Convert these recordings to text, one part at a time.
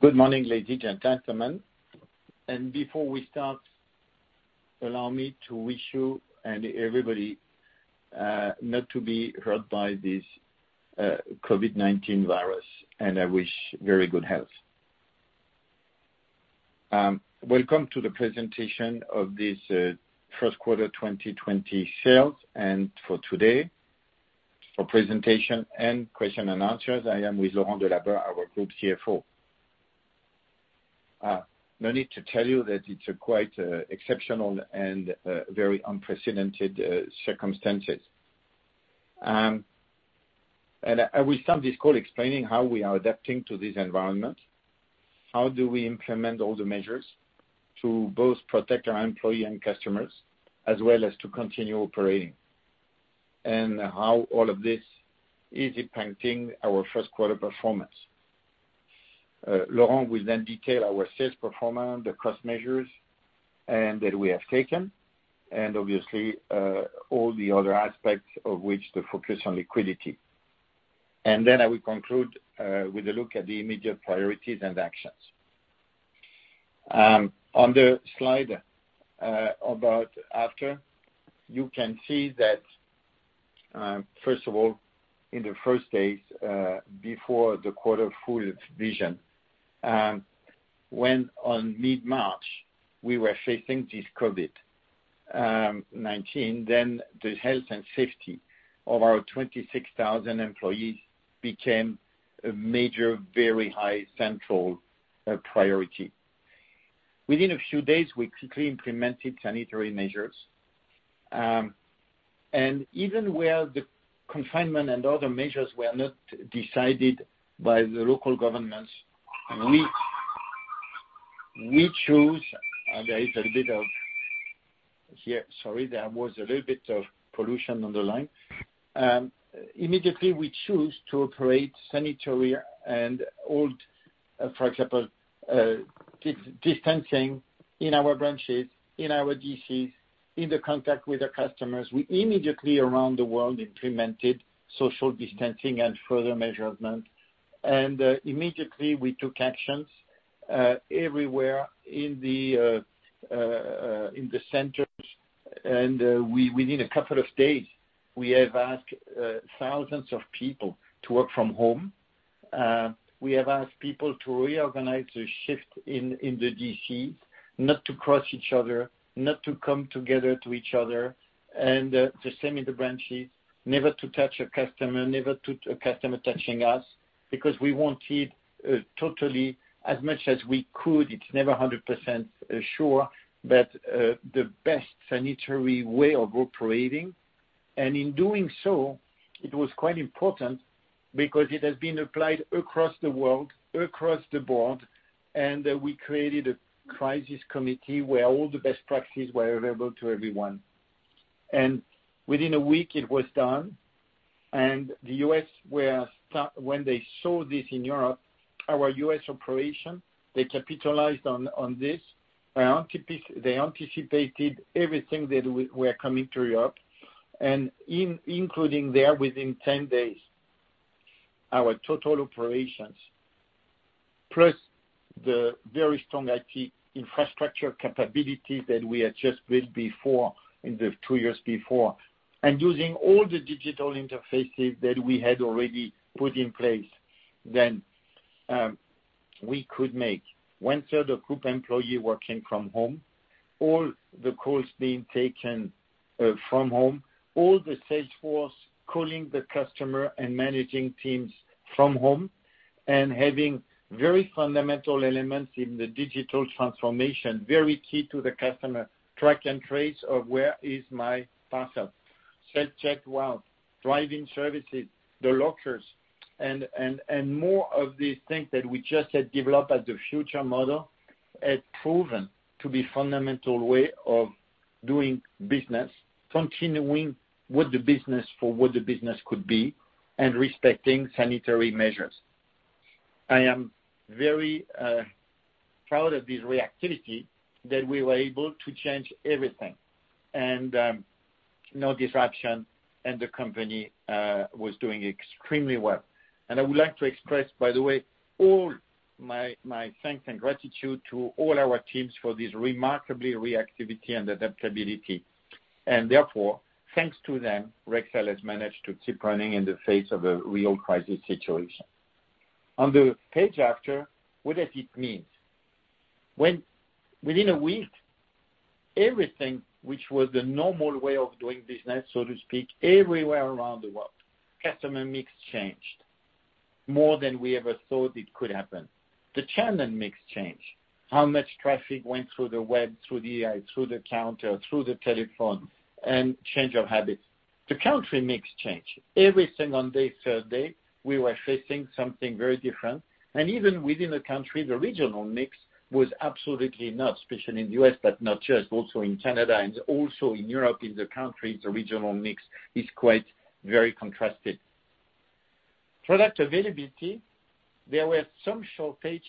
Good morning, ladies and gentlemen. Before we start, allow me to wish you and everybody, not to be hurt by this COVID-19 virus, and I wish very good health. Welcome to the presentation of this first quarter 2020 sales. For today, for presentation and Q&A, I am with Laurent Delabarre, our group CFO. No need to tell you that it's a quite exceptional and very unprecedented circumstances. I will start this call explaining how we are adapting to this environment, how do we implement all the measures to both protect our employee and customers, as well as to continue operating, and how all of this is impacting our first quarter performance. Laurent will then detail our sales performance, the cost measures that we have taken, and obviously, all the other aspects of which the focus on liquidity. I will conclude with a look at the immediate priorities and actions. On the slide about after, you can see that, first of all, in the first days, before the quarter full vision, when on mid-March, we were facing this COVID-19, then the health and safety of our 26,000 employees became a major, very high central priority. Within a few days, we quickly implemented sanitary measures. Even where the confinement and other measures were not decided by the local governments, immediately we choose to operate sanitary and all, for example, distancing in our branches, in our DCs, in the contact with our customers. We immediately around the world implemented social distancing and further measurements. Immediately we took actions everywhere in the centers. Within a couple of days, we have asked thousands of people to work from home. We have asked people to reorganize their shift in the D.C., not to cross each other, not to come together to each other. The same in the branches, never to touch a customer, never to a customer touching us, because we wanted totally, as much as we could, it's never 100% sure, but the best sanitary way of operating. In doing so, it was quite important because it has been applied across the world, across the board, and we created a crisis committee where all the best practices were available to everyone. Within a week it was done. The U.S. when they saw this in Europe, our U.S. operation, they capitalized on this. They anticipated everything that were coming to Europe. Including there within 10 days, our total operations, plus the very strong IT infrastructure capability that we had just built before in the two years before, using all the digital interfaces that we had already put in place, we could make one third of group employee working from home, all the calls being taken from home, all the sales force calling the customer and managing teams from home. Having very fundamental elements in the digital transformation, very key to the customer, track and trace of where is my parcel. Self-checkout, driving services, the lockers, and more of these things that we just had developed as the future model had proven to be fundamental way of doing business, continuing with the business for what the business could be and respecting sanitary measures. I am very proud of this reactivity that we were able to change everything and no disruption and the company was doing extremely well. I would like to express, by the way, all my thanks and gratitude to all our teams for this remarkably reactivity and adaptability. Therefore, thanks to them, Rexel has managed to keep running in the face of a real crisis situation. On the page after, what does it mean? Within a week, everything which was the normal way of doing business, so to speak, everywhere around the world, customer mix changed more than we ever thought it could happen. The channel mix changed. How much traffic went through the web, through the AI, through the counter, through the telephone, and change of habits. The country mix changed. Every single day, third day, we were facing something very different. Even within the country, the regional mix was absolutely nuts, especially in the U.S., but not just, also in Canada and also in Europe. In the country, the regional mix is quite very contrasted. Product availability, there were some shortage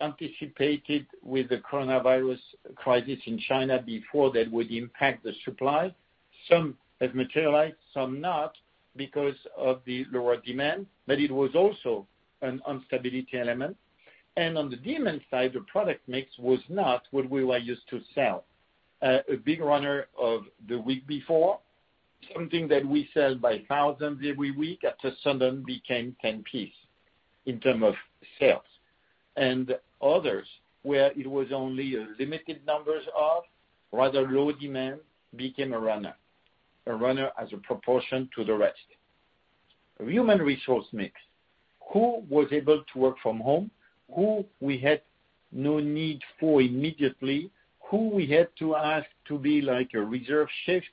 anticipated with the Coronavirus crisis in China before that would impact the supply. Some have materialized, some not, because of the lower demand, but it was also an instability element. On the demand side, the product mix was not what we were used to sell. A big runner of the week before, something that we sell by thousands every week, after sudden became 10 piece in term of sales. Others, where it was only a limited numbers of rather low demand became a runner, a runner as a proportion to the rest. Human resource mix. Who was able to work from home? Who we had no need for immediately? Who we had to ask to be a reserve shift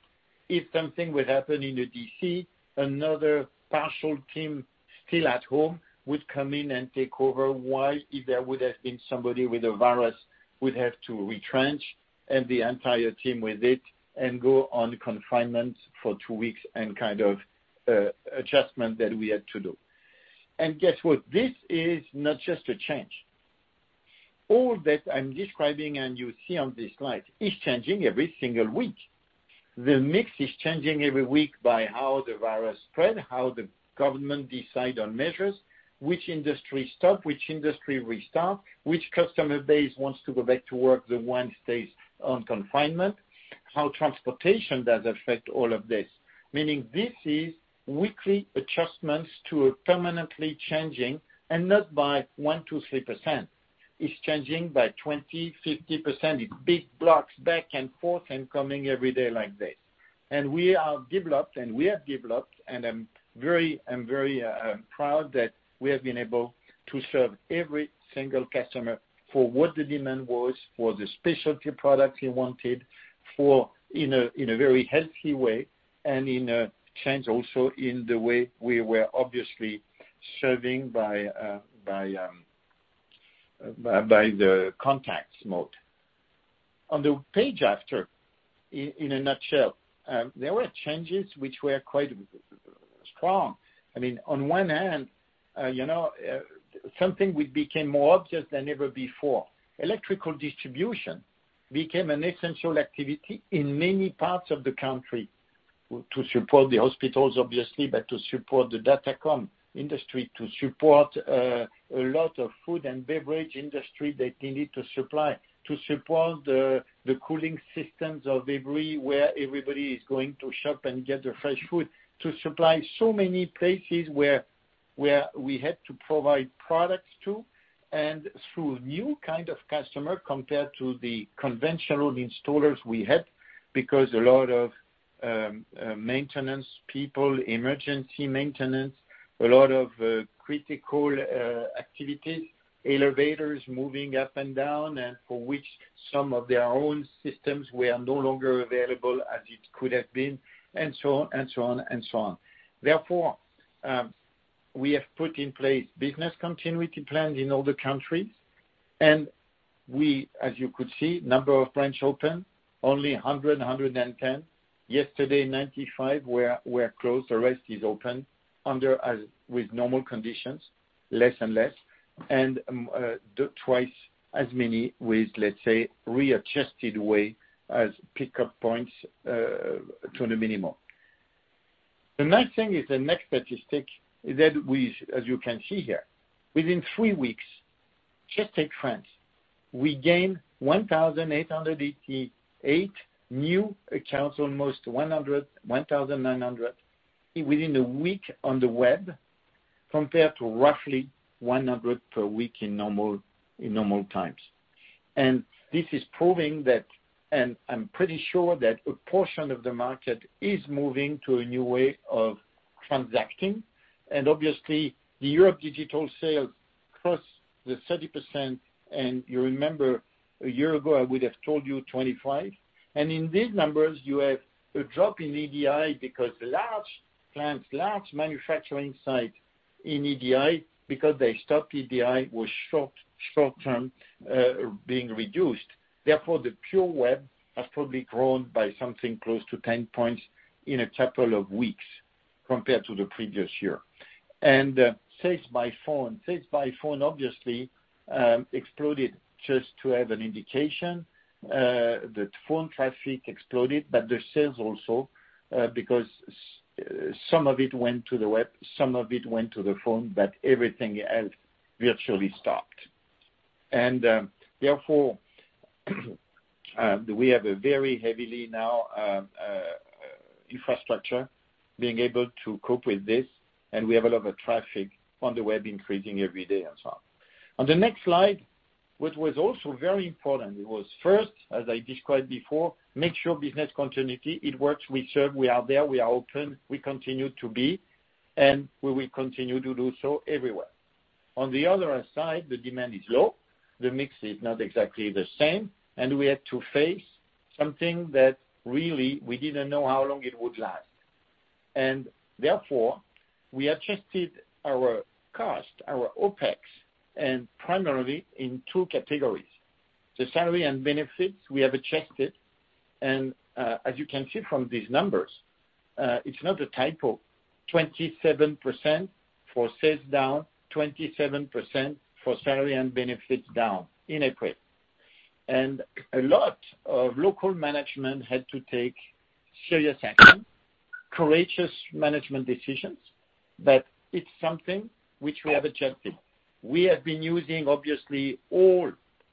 if something would happen in the D.C., another partial team still at home would come in and take over. While if there would have been somebody with a virus, we'd have to retrench and the entire team with it and go on confinement for two weeks and adjustment that we had to do. Guess what? This is not just a change. All that I'm describing and you see on this slide is changing every single week. The mix is changing every week by how the virus spread, how the government decide on measures, which industry stop, which industry restart, which customer base wants to go back to work, the one stays on confinement, how transportation does affect all of this. Meaning this is weekly adjustments to a permanently changing and not by 1%, 2%, 3%. It's changing by 20%, 50%. It's big blocks back and forth and coming every day like this. We have developed and I'm very proud that we have been able to serve every single customer for what the demand was for the specialty products he wanted in a very healthy way and in a change also in the way we were obviously serving by the contacts mode. On the page after, in a nutshell, there were changes which were quite strong. On one hand, something became more obvious than ever before. Electrical distribution became an essential activity in many parts of the country to support the hospitals, obviously, but to support the datacom industry, to support a lot of food and beverage industry that they need to supply, to support the cooling systems of everywhere everybody is going to shop and get their fresh food. To supply so many places where we had to provide products to and through new kind of customer compared to the conventional installers we had because a lot of maintenance people, emergency maintenance, a lot of critical activities, elevators moving up and down, and for which some of their own systems were no longer available as it could have been, and so on and so on. Therefore, we have put in place business continuity plans in all the countries. We, as you could see, number of branch open, only 100, 110. Yesterday, 95 were closed. The rest is open with normal conditions, less and less. Twice as many with, let's say, readjusted way as pickup points to the minimal. The next thing is the next statistic is that we, as you can see here, within three weeks, just take France, we gained 1,888 new accounts, almost 1,900 within a week on the web, compared to roughly 100 per week in normal times. This is proving that, and I'm pretty sure that a portion of the market is moving to a new way of transacting. Obviously, the Europe digital sales crossed the 30%, and you remember a year ago, I would have told you 25. In these numbers, you have a drop in EDI because large plants, large manufacturing site in EDI, because they stopped EDI, was short-term being reduced. The pure web has probably grown by something close to 10 points in a couple of weeks compared to the previous year. Sales by phone. Sales by phone obviously exploded just to have an indication. The phone traffic exploded, but the sales also because some of it went to the web, some of it went to the phone, but everything else virtually stopped. We have a very heavily now infrastructure being able to cope with this, and we have a lot of traffic on the web increasing every day and so on. On the next slide, what was also very important was first, as I described before, make sure business continuity, it works, we serve, we are there, we are open, we continue to be, and we will continue to do so everywhere. On the other side, the demand is low, the mix is not exactly the same, and we had to face something that really we didn't know how long it would last. Therefore, we adjusted our cost, our OpEx, and primarily in two categories. The salaries and benefits we have adjusted, and as you can see from these numbers, it's not a typo. 27% for sales down, 27% for salaries and benefits down in equate. A lot of local management had to take serious action, courageous management decisions, but it's something which we have adjusted. We have been using, obviously, all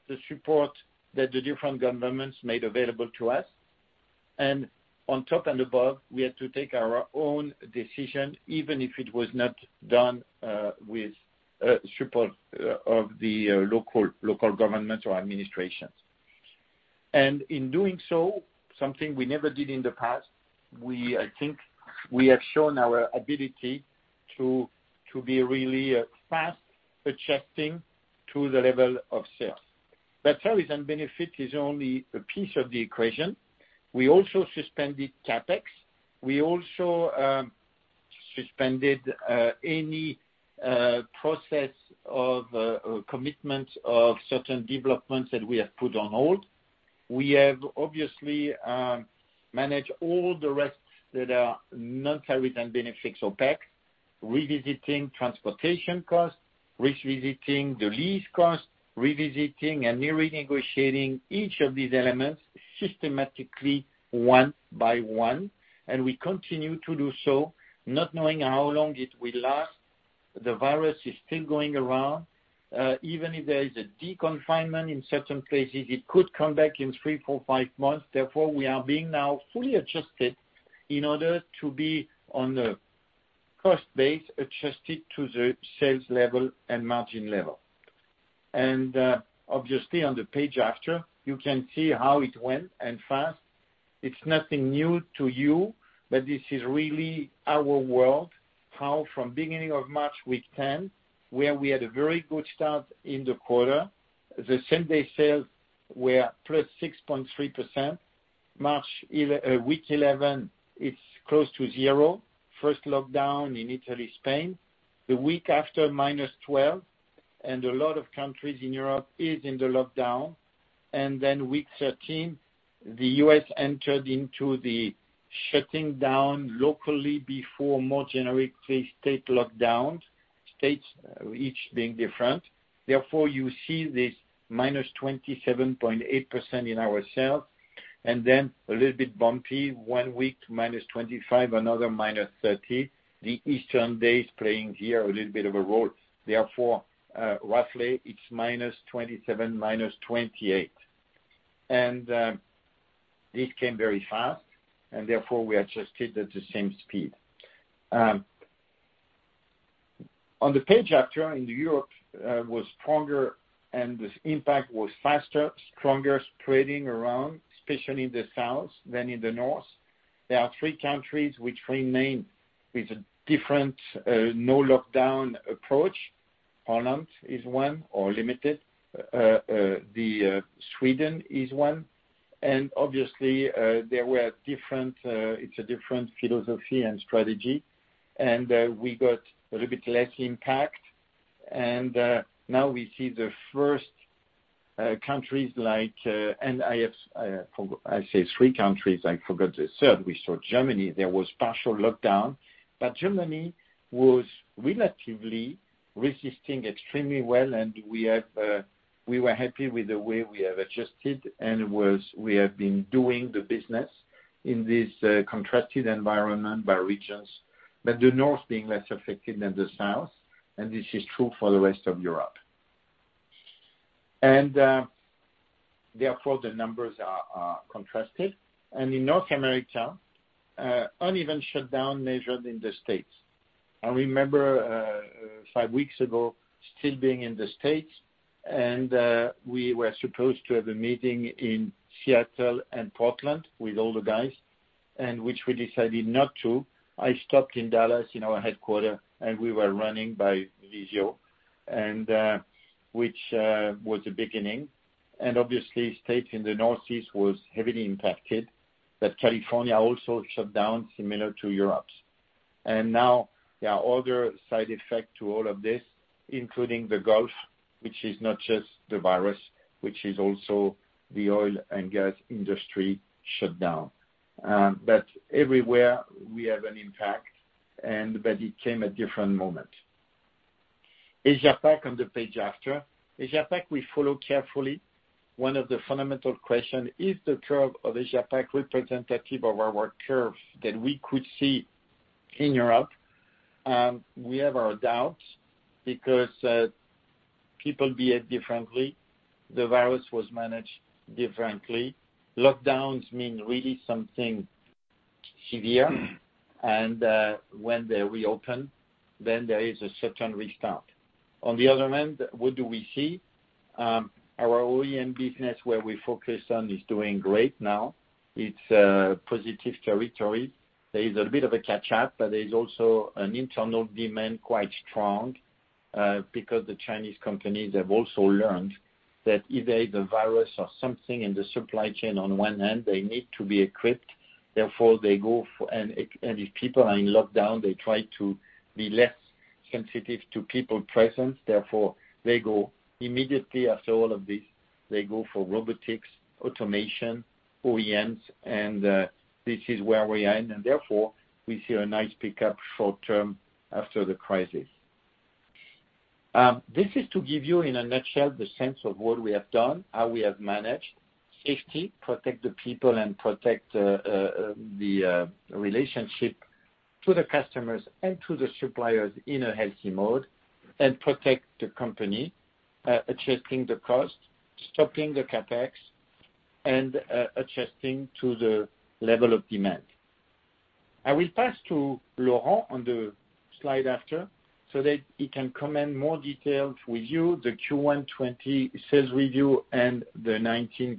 the support that the different governments made available to us. On top and above, we had to take our own decision, even if it was not done with support of the local government or administrations. In doing so, something we never did in the past, I think we have shown our ability to be really fast adjusting to the level of sales. Salaries and benefits is only a piece of the equation. We also suspended CapEx. We also suspended any process of commitment of certain developments that we have put on hold. We have obviously managed all the rest that are non-salaries and benefits, or PAC, revisiting transportation costs, revisiting the lease costs, revisiting and renegotiating each of these elements systematically one by one, and we continue to do so, not knowing how long it will last. The virus is still going around. Even if there is a de-confinement in certain places, it could come back in three, four, five months. We are being now fully adjusted in order to be on a cost base adjusted to the sales level and margin level. Obviously, on the page after, you can see how it went, and fast. It's nothing new to you, but this is really our world, how from beginning of March, week 10, where we had a very good start in the quarter. The same-day sales were +6.3%. March, week 11, it's close to zero. First lockdown in Italy, Spain. The week after, -12%, and a lot of countries in Europe is in the lockdown. Week 13, the U.S. entered into the shutting down locally before more generally state lockdowns, states each being different. You see this -27.8% in our sales. A little bit bumpy, one week to -25%, another -30%. The Easter days playing here a little bit of a role. Therefore, roughly, it's -27, -28. This came very fast, and therefore we adjusted at the same speed. On the page after, in Europe, was stronger and this impact was faster, stronger, spreading around, especially in the south than in the north. There are three countries which remain with a different no lockdown approach. Poland is one, or limited. Sweden is one. Obviously, it's a different philosophy and strategy. We got a little bit less impact. Now we see the first countries like I say three countries, I forgot the third. We saw Germany, there was partial lockdown. Germany was relatively resisting extremely well, and we were happy with the way we have adjusted and we have been doing the business in this contrasted environment by regions, but the north being less affected than the south, and this is true for the rest of Europe. Therefore, the numbers are contrasted. In North America, uneven shutdown measured in the States. I remember, five weeks ago, still being in the States, and we were supposed to have a meeting in Seattle and Portland with all the guys, and which we decided not to. I stopped in Dallas, in our headquarter, and we were running by Visio, and which was the beginning. Obviously, states in the Northeast was heavily impacted, but California also shut down similar to Europe's. Now there are other side effect to all of this, including the Gulf, which is not just the virus, which is also the oil and gas industry shut down. Everywhere we have an impact, but it came at different moment. Asia Pac, on the page after. Asia Pac we follow carefully. One of the fundamental question, is the curve of Asia Pac representative of our curve that we could see in Europe? We have our doubts because people behave differently. The virus was managed differently. Lockdowns mean really something severe, and when they reopen, then there is a certain restart. On the other hand, what do we see? Our OEM business, where we focus on, is doing great now. It's positive territory. There is a bit of a catch up, but there is also an internal demand quite strong, because the Chinese companies have also learned that either the virus or something in the supply chain on one hand, they need to be equipped. If people are in lockdown, they try to be less sensitive to people presence. Therefore, immediately after all of this, they go for robotics, automation, OEMs, and this is where we are in. Therefore, we see a nice pickup short term after the crisis. This is to give you, in a nutshell, the sense of what we have done, how we have managed safety, protect the people, and protect the relationship to the customers and to the suppliers in a healthy mode, and protect the company, adjusting the cost, stopping the CapEx, and adjusting to the level of demand. I will pass to Laurent on the slide after, so that he can comment more details with you, the Q1 2020 sales review, and the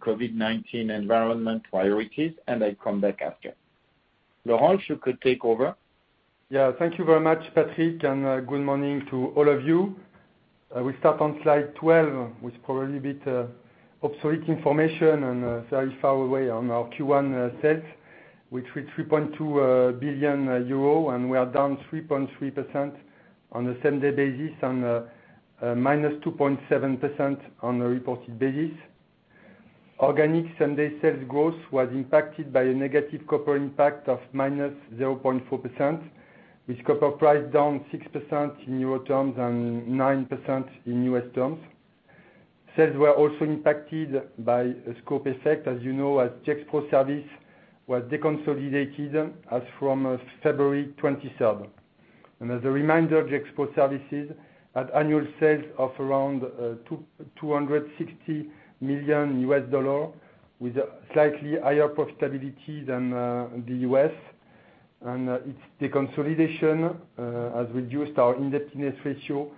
COVID-19 environment priorities, and I come back after. Laurent, you could take over. Thank you very much, Patrick, and good morning to all of you. We start on slide 12, with probably a bit obsolete information and very far away on our Q1 sales, which were 3.2 billion euro. We are down 3.3% on a same-day basis and -2.7% on a reported basis. Organic same-day sales growth was impacted by a negative copper impact of -0.4%, with copper price down 6% in EUR terms and 9% in U.S. terms. Sales were also impacted by a scope effect, as you know, as Gexpro Services was deconsolidated as from February 23rd. As a reminder, Gexpro Services had annual sales of around $260 million, with slightly higher profitability than the U.S. Its deconsolidation has reduced our indebtedness ratio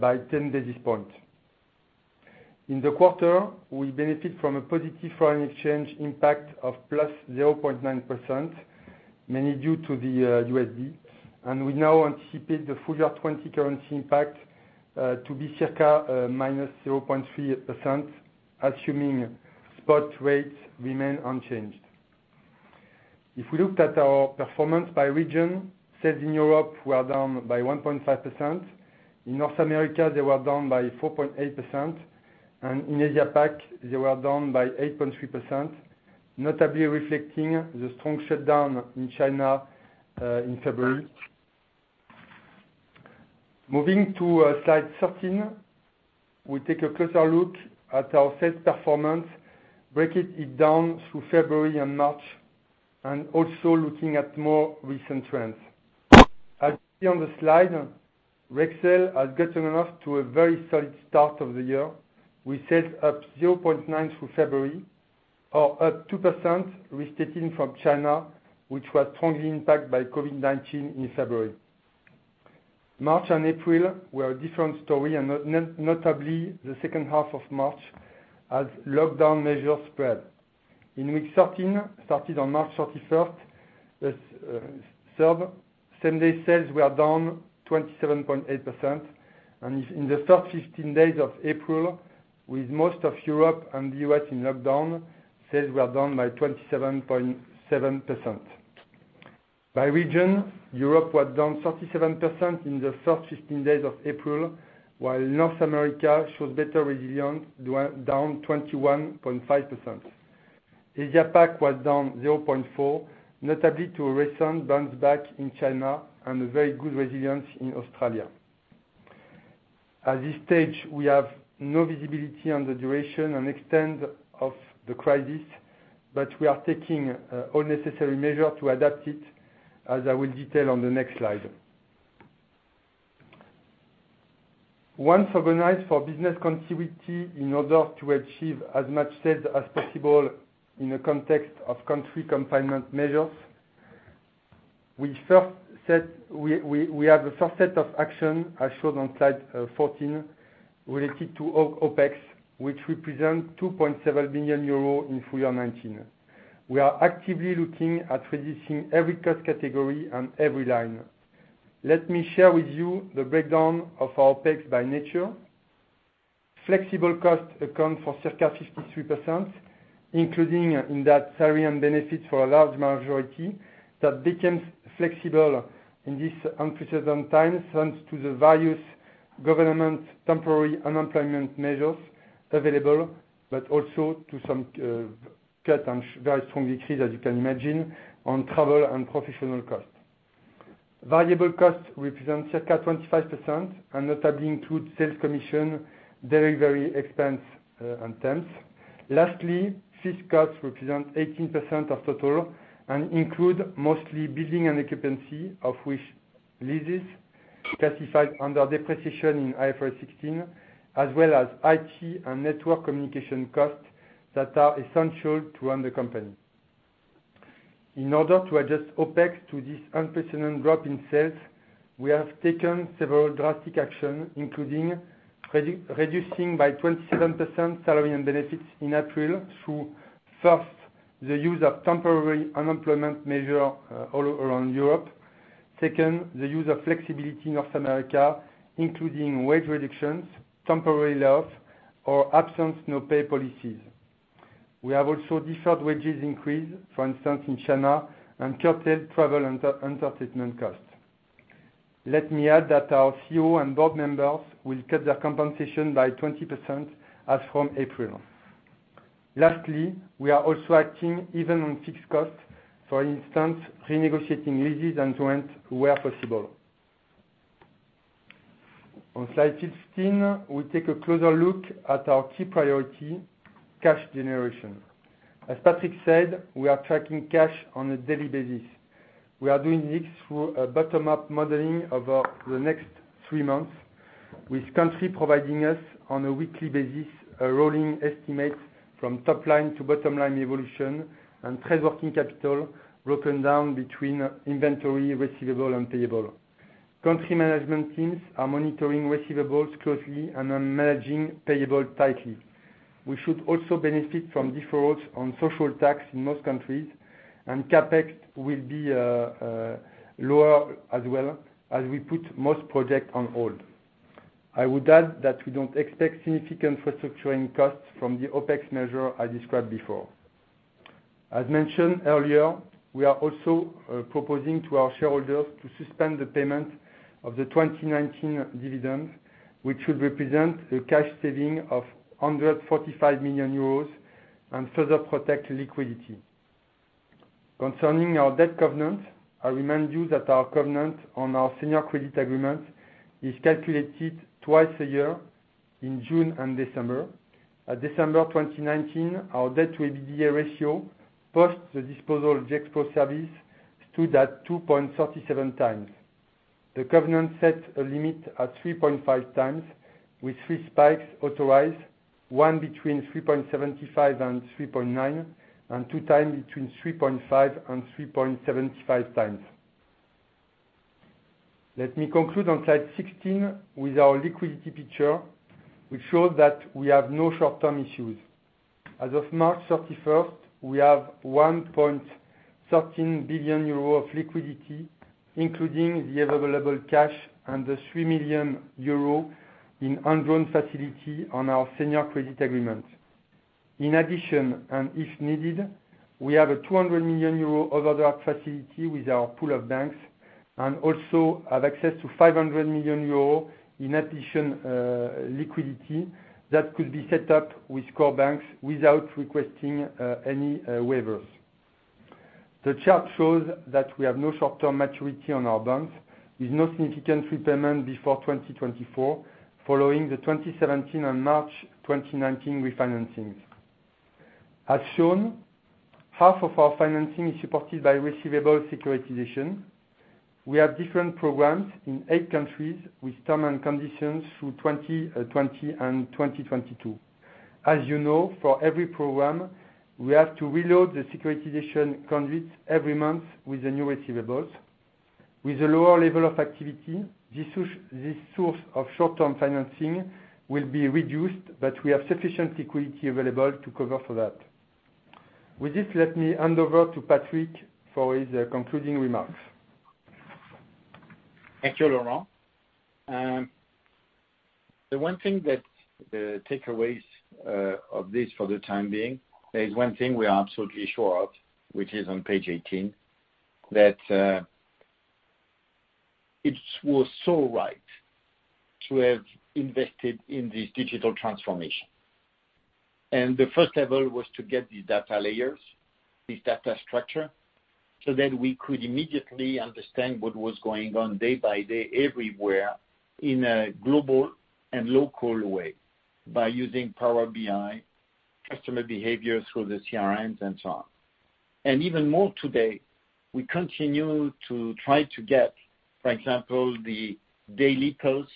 by 10 basis points. In the quarter, we benefit from a positive foreign exchange impact of +0.9%, mainly due to the USD. We now anticipate the full year 2020 currency impact to be circa -0.3%, assuming spot rates remain unchanged. If we looked at our performance by region, sales in Europe were down by 1.5%. In North America, they were down by 4.8%, and in Asia Pac, they were down by 8.3%, notably reflecting the strong shutdown in China in February. Moving to slide 13. We take a closer look at our sales performance, breaking it down through February and March, and also looking at more recent trends. As seen on the slide, Rexel had gotten off to a very solid start of the year with sales up 0.9% through February, or up 2% restating from China, which was strongly impacted by COVID-19 in February. March and April were a different story, and notably the second half of March, as lockdown measures spread. In week 13, started on March 31st, same-day sales were down 27.8%, and in the first 15 days of April, with most of Europe and the U.S. in lockdown, sales were down by 27.7%. By region, Europe was down 37% in the first 15 days of April, while North America shows better resilience, down 21.5%. Asia Pac was down 0.4%, notably to a recent bounce back in China and a very good resilience in Australia. At this stage, we have no visibility on the duration and extent of the crisis, but we are taking all necessary measures to adapt it, as I will detail on the next slide. Once organized for business continuity in order to achieve as much sales as possible in the context of country confinement measures, we have a first set of action, as shown on slide 14, related to our OpEx, which represent 2.7 billion euros in full-year 2019. We are actively looking at reducing every cost category and every line. Let me share with you the breakdown of our OpEx by nature. Flexible cost accounts for circa 53%, including in that salaries and benefits for a large majority that became flexible in this unprecedented times, thanks to the various government temporary unemployment measures available, but also to some cut and very strong decrease, as you can imagine, on travel and professional cost. Variable costs represent circa 25% and notably include sales commission, delivery expense, and temps. Lastly, fixed costs represent 18% of total and include mostly building and occupancy, of which leases classified under depreciation in IFRS 16, as well as IT and network communication costs that are essential to run the company. In order to adjust OpEx to this unprecedented drop in sales, we have taken several drastic action, including reducing by 27% salary and benefits in April through, first, the use of temporary unemployment measure all around Europe. Second, the use of flexibility in North America, including wage reductions, temporary leave, or absence no pay policies. We have also deferred wages increase, for instance, in China, and curtailed travel entertainment costs. Let me add that our CEO and board members will cut their compensation by 20% as from April. Lastly, we are also acting even on fixed costs, for instance, renegotiating leases and rent where possible. On slide 15, we take a closer look at our key priority, cash generation. As Patrick said, we are tracking cash on a daily basis. We are doing this through a bottom-up modeling over the next three months, with country providing us on a weekly basis, a rolling estimate from top line to bottom line evolution and trade working capital broken down between inventory, receivable and payable. country management teams are monitoring receivables closely and are managing payable tightly. We should also benefit from deferrals on social tax in most countries, and CapEx will be lower as well as we put most project on hold. I would add that we don't expect significant restructuring costs from the OpEx measure I described before. As mentioned earlier, we are also proposing to our shareholders to suspend the payment of the 2019 dividends, which would represent a cash saving of 145 million euros and further protect liquidity. Concerning our debt covenant, I remind you that our covenant on our senior credit agreement is calculated twice a year in June and December. At December 2019, our debt to EBITDA ratio, post the disposal of Gexpro Services, stood at 2.37x. The covenant set a limit at 3.5x with three spikes authorized, one between 3.75x and 3.9x, and2x between 3.5x and 3.75x. Let me conclude on slide 16 with our liquidity picture, which shows that we have no short-term issues. As of March 31st, we have 1.13 billion euro of liquidity, including the available cash and the 3 million euro in undrawn facility on our senior credit agreement. In addition, and if needed, we have a 200 million euro overdraft facility with our pool of banks and also have access to 500 million euro in addition liquidity that could be set up with core banks without requesting any waivers. The chart shows that we have no short-term maturity on our banks, with no significant repayment before 2024, following the 2017 and March 2019 refinancings. As shown, half of our financing is supported by receivable securitization. We have different programs in eight countries with term and conditions through 2020 and 2022. As you know, for every program, we have to reload the securitization covenants every month with the new receivables. With a lower level of activity, this source of short-term financing will be reduced, but we have sufficient liquidity available to cover for that. With this, let me hand over to Patrick for his concluding remarks. Thank you, Laurent. The one thing, the takeaways of this for the time being, there's one thing we are absolutely sure of, which is on page 18, that it was so right to have invested in this digital transformation. The level 1 was to get these data layers, this data structure, so that we could immediately understand what was going on day by day everywhere in a global and local way by using Power BI, customer behaviors through the CRMs and so on. Even more today, we continue to try to get, for example, the daily pulse,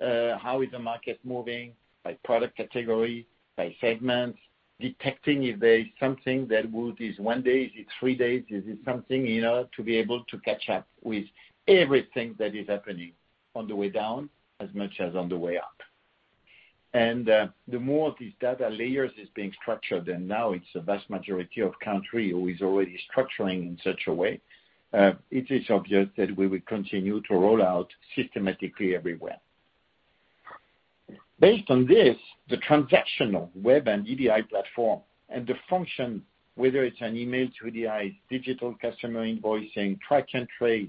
how is the market moving by product category, by segments, detecting if there is something that would be one day, three days, or something, to be able to catch up with everything that is happening on the way down as much as on the way up. The more these data layers is being structured, and now it's the vast majority of country who is already structuring in such a way, it is obvious that we will continue to roll out systematically everywhere. Based on this, the transactional web and EDI platform and the function, whether it's an email, EDI, digital customer invoicing, track and trace,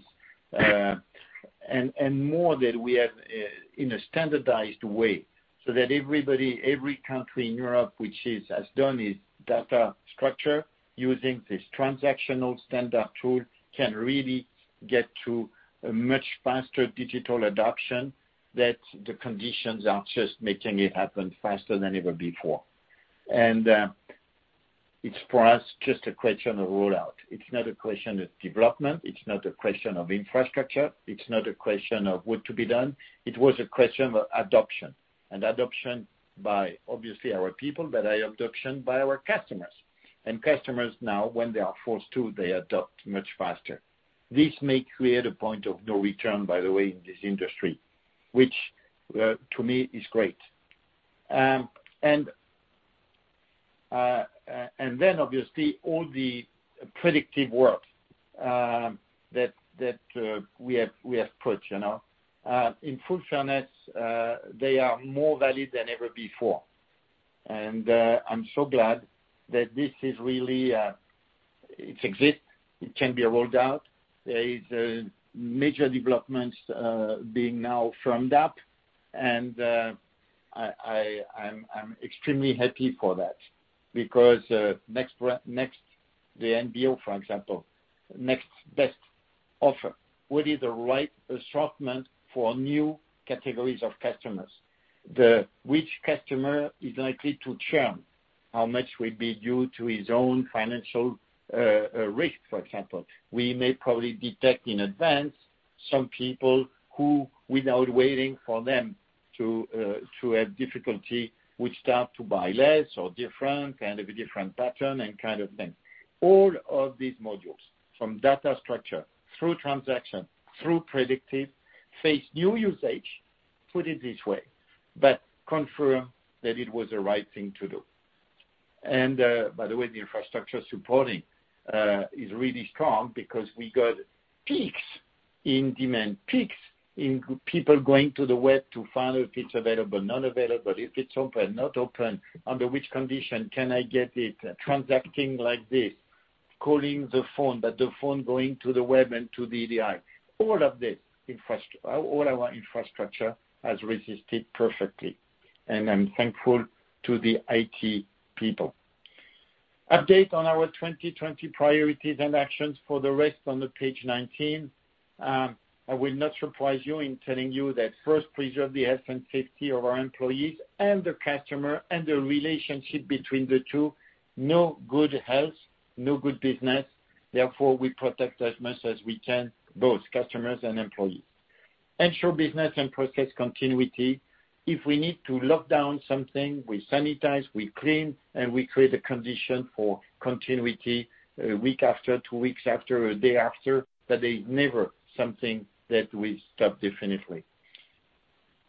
and more that we have in a standardized way so that everybody, every country in Europe which has done its data structure using this transactional standard tool can really get to a much faster digital adoption that the conditions are just making it happen faster than ever before. It's for us just a question of rollout. It's not a question of development. It's not a question of infrastructure. It's not a question of what to be done. It was a question of adoption by obviously our people, but adoption by our customers. Customers now, when they are forced to, they adopt much faster. This may create a point of no return, by the way, in this industry, which to me is great. Obviously all the predictive work that we have put. In full fairness, they are more valid than ever before. I'm so glad that this is really It exists. It can be rolled out. There is major developments being now firmed up, and I'm extremely happy for that because the NBO, for example, next best offer. What is the right assortment for new categories of customers? Which customer is likely to churn? How much will be due to his own financial risk, for example. We may probably detect in advance some people who, without waiting for them to have difficulty, would start to buy less or different, kind of a different pattern and kind of thing. All of these modules from data structure, through transaction, through predictive, face new usage, put it this way, but confirm that it was the right thing to do. By the way, the infrastructure supporting is really strong because we got peaks in demand, peaks in people going to the web to find if it's available, not available, if it's open, not open, under which condition can I get it, transacting like this, calling the phone, but the phone going to the web and to the EDI. All our infrastructure has resisted perfectly, and I'm thankful to the IT people. Update on our 2020 priorities and actions for the rest on the page 19. I will not surprise you in telling you that first preserve the health and safety of our employees and the customer and the relationship between the two. No good health, no good business. Therefore, we protect as much as we can, both customers and employees. Ensure business and process continuity. If we need to lock down something, we sanitize, we clean, and we create a condition for continuity a week after, two weeks after, a day after, that there's never something that we stop definitively.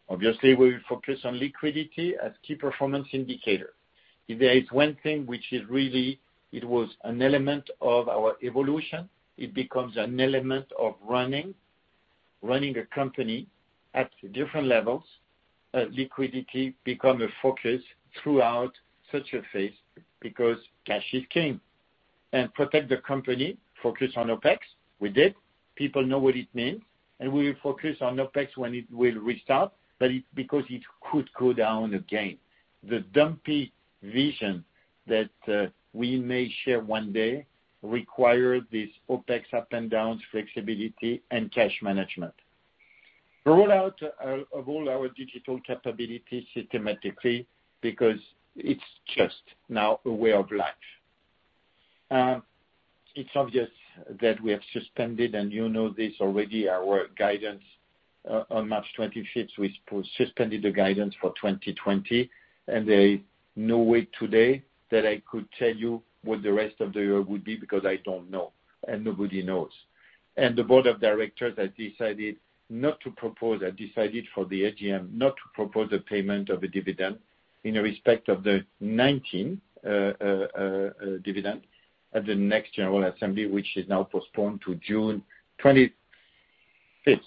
Obviously, we will focus on liquidity as key performance indicator. If there is one thing which is really, it was an element of our evolution, it becomes an element of running a company at different levels. Liquidity become a focus throughout such a phase because cash is king. Protect the company, focus on OpEx. We did. People know what it means, and we will focus on OpEx when it will restart, but because it could go down again. The digital vision that we may share one day require this OpEx ups and downs flexibility and cash management. Roll out of all our digital capabilities systematically because it's just now a way of life. It's obvious that we have suspended, and you know this already, our guidance. On March 25th, we suspended the guidance for 2020, and there is no way today that I could tell you what the rest of the year would be because I don't know and nobody knows. The board of directors have decided for the AGM not to propose the payment of a dividend in respect of the 2019 dividend at the next general assembly, which is now postponed to June 25th.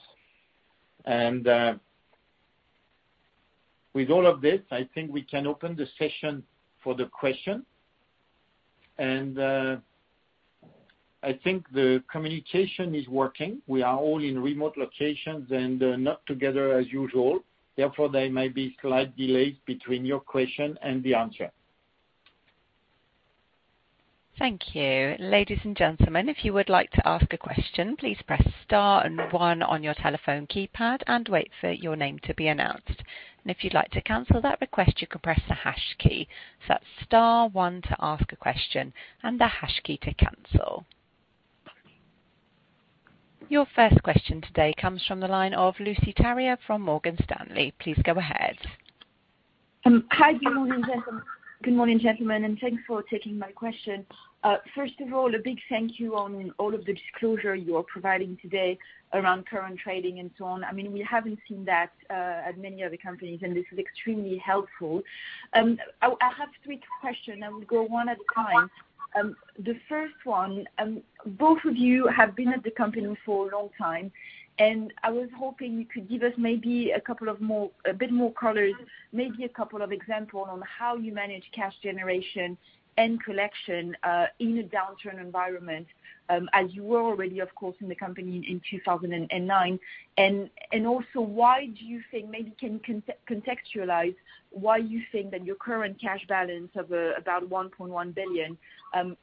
With all of this, I think we can open the session for the question. I think the communication is working. We are all in remote locations and not together as usual. Therefore, there may be slight delays between your question and the answer. Thank you. Ladies and gentlemen, if you would like to ask a question, please press star and one on your telephone keypad and wait for your name to be announced. If you'd like to cancel that request, you can press the hash key. That's star one to ask a question and the hash key to cancel. Your first question today comes from the line of Lucie Carrier from Morgan Stanley. Please go ahead. Hi, good morning, gentlemen. Thanks for taking my question. First of all, a big thank you on all of the disclosure you are providing today around current trading and so on. We haven't seen that at many other companies. This is extremely helpful. I have three question. I will go one at a time. The first one, both of you have been at the company for a long time, and I was hoping you could give us maybe a bit more colors, maybe a couple of example on how you manage cash generation and collection, in a downturn environment, as you were already, of course, in the company in 2009. Also, maybe can you contextualize why you think that your current cash balance of about 1.1 billion,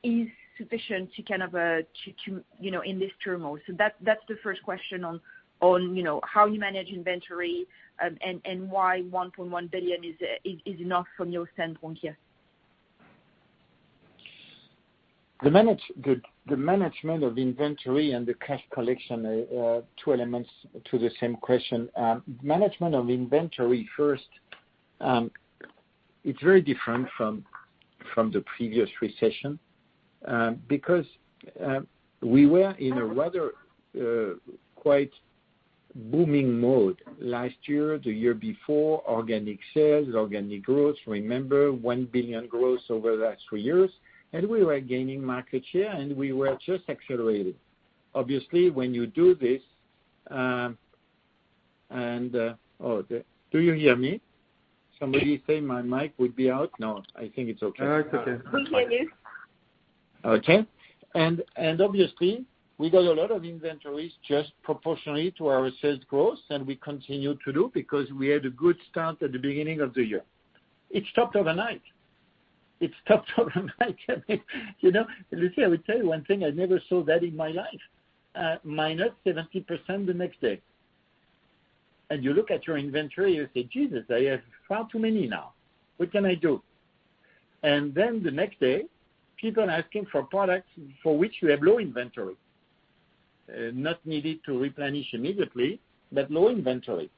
is sufficient in this turmoil? That's the first question on how you manage inventory, and why 1.1 billion is enough from your standpoint here. The management of inventory and the cash collection are two elements to the same question. Management of inventory first, it's very different from the previous recession, because we were in a rather quite booming mode last year, the year before, organic sales, organic growth. Remember, 1 billion growth over the last three years, and we were gaining market share, and we were just accelerating. Obviously, when you do this. Oh, do you hear me? Somebody say my mic would be out? No, I think it's okay. No, it's okay. We hear you. Okay. Obviously, we got a lot of inventories just proportionally to our sales growth, and we continue to do because we had a good start at the beginning of the year. It stopped overnight. It stopped overnight. Lucie, I will tell you one thing, I never saw that in my life. -70% the next day. You look at your inventory, you say, "Jesus, I have far too many now. What can I do?" Then the next day, people are asking for products for which we have low inventory. Not needed to replenish immediately, but low inventory.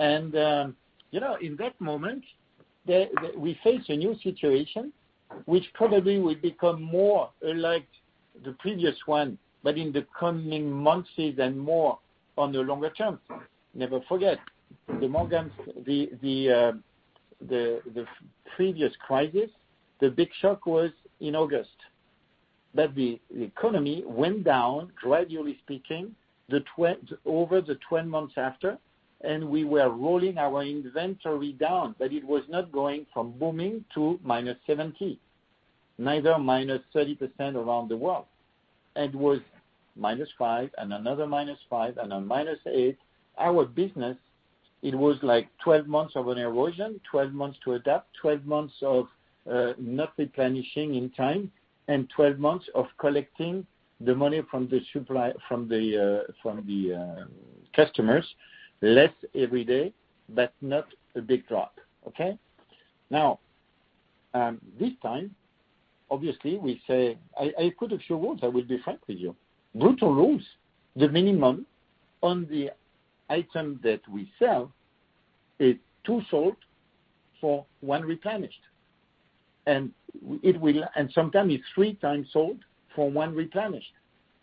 In that moment, we face a new situation which probably will become more like the previous one, but in the coming months even more on the longer term. Never forget, the previous crisis, the big shock was in August. The economy went down, gradually speaking, over the 12 months after, and we were rolling our inventory down. It was not going from booming to -70%, neither -30% around the world. It was -5 and another -5 and a -8. Our business, it was like 12 months of an erosion, 12 months to adapt, 12 months of not replenishing in time, and 12 months of collecting the money from the customers, less every day, but not a big drop. Okay? This time, obviously, we say I could have sure words, I will be frank with you. Brutal rules. The minimum on the item that we sell is two sold for one replenished. Sometime it's three times sold for one replenished,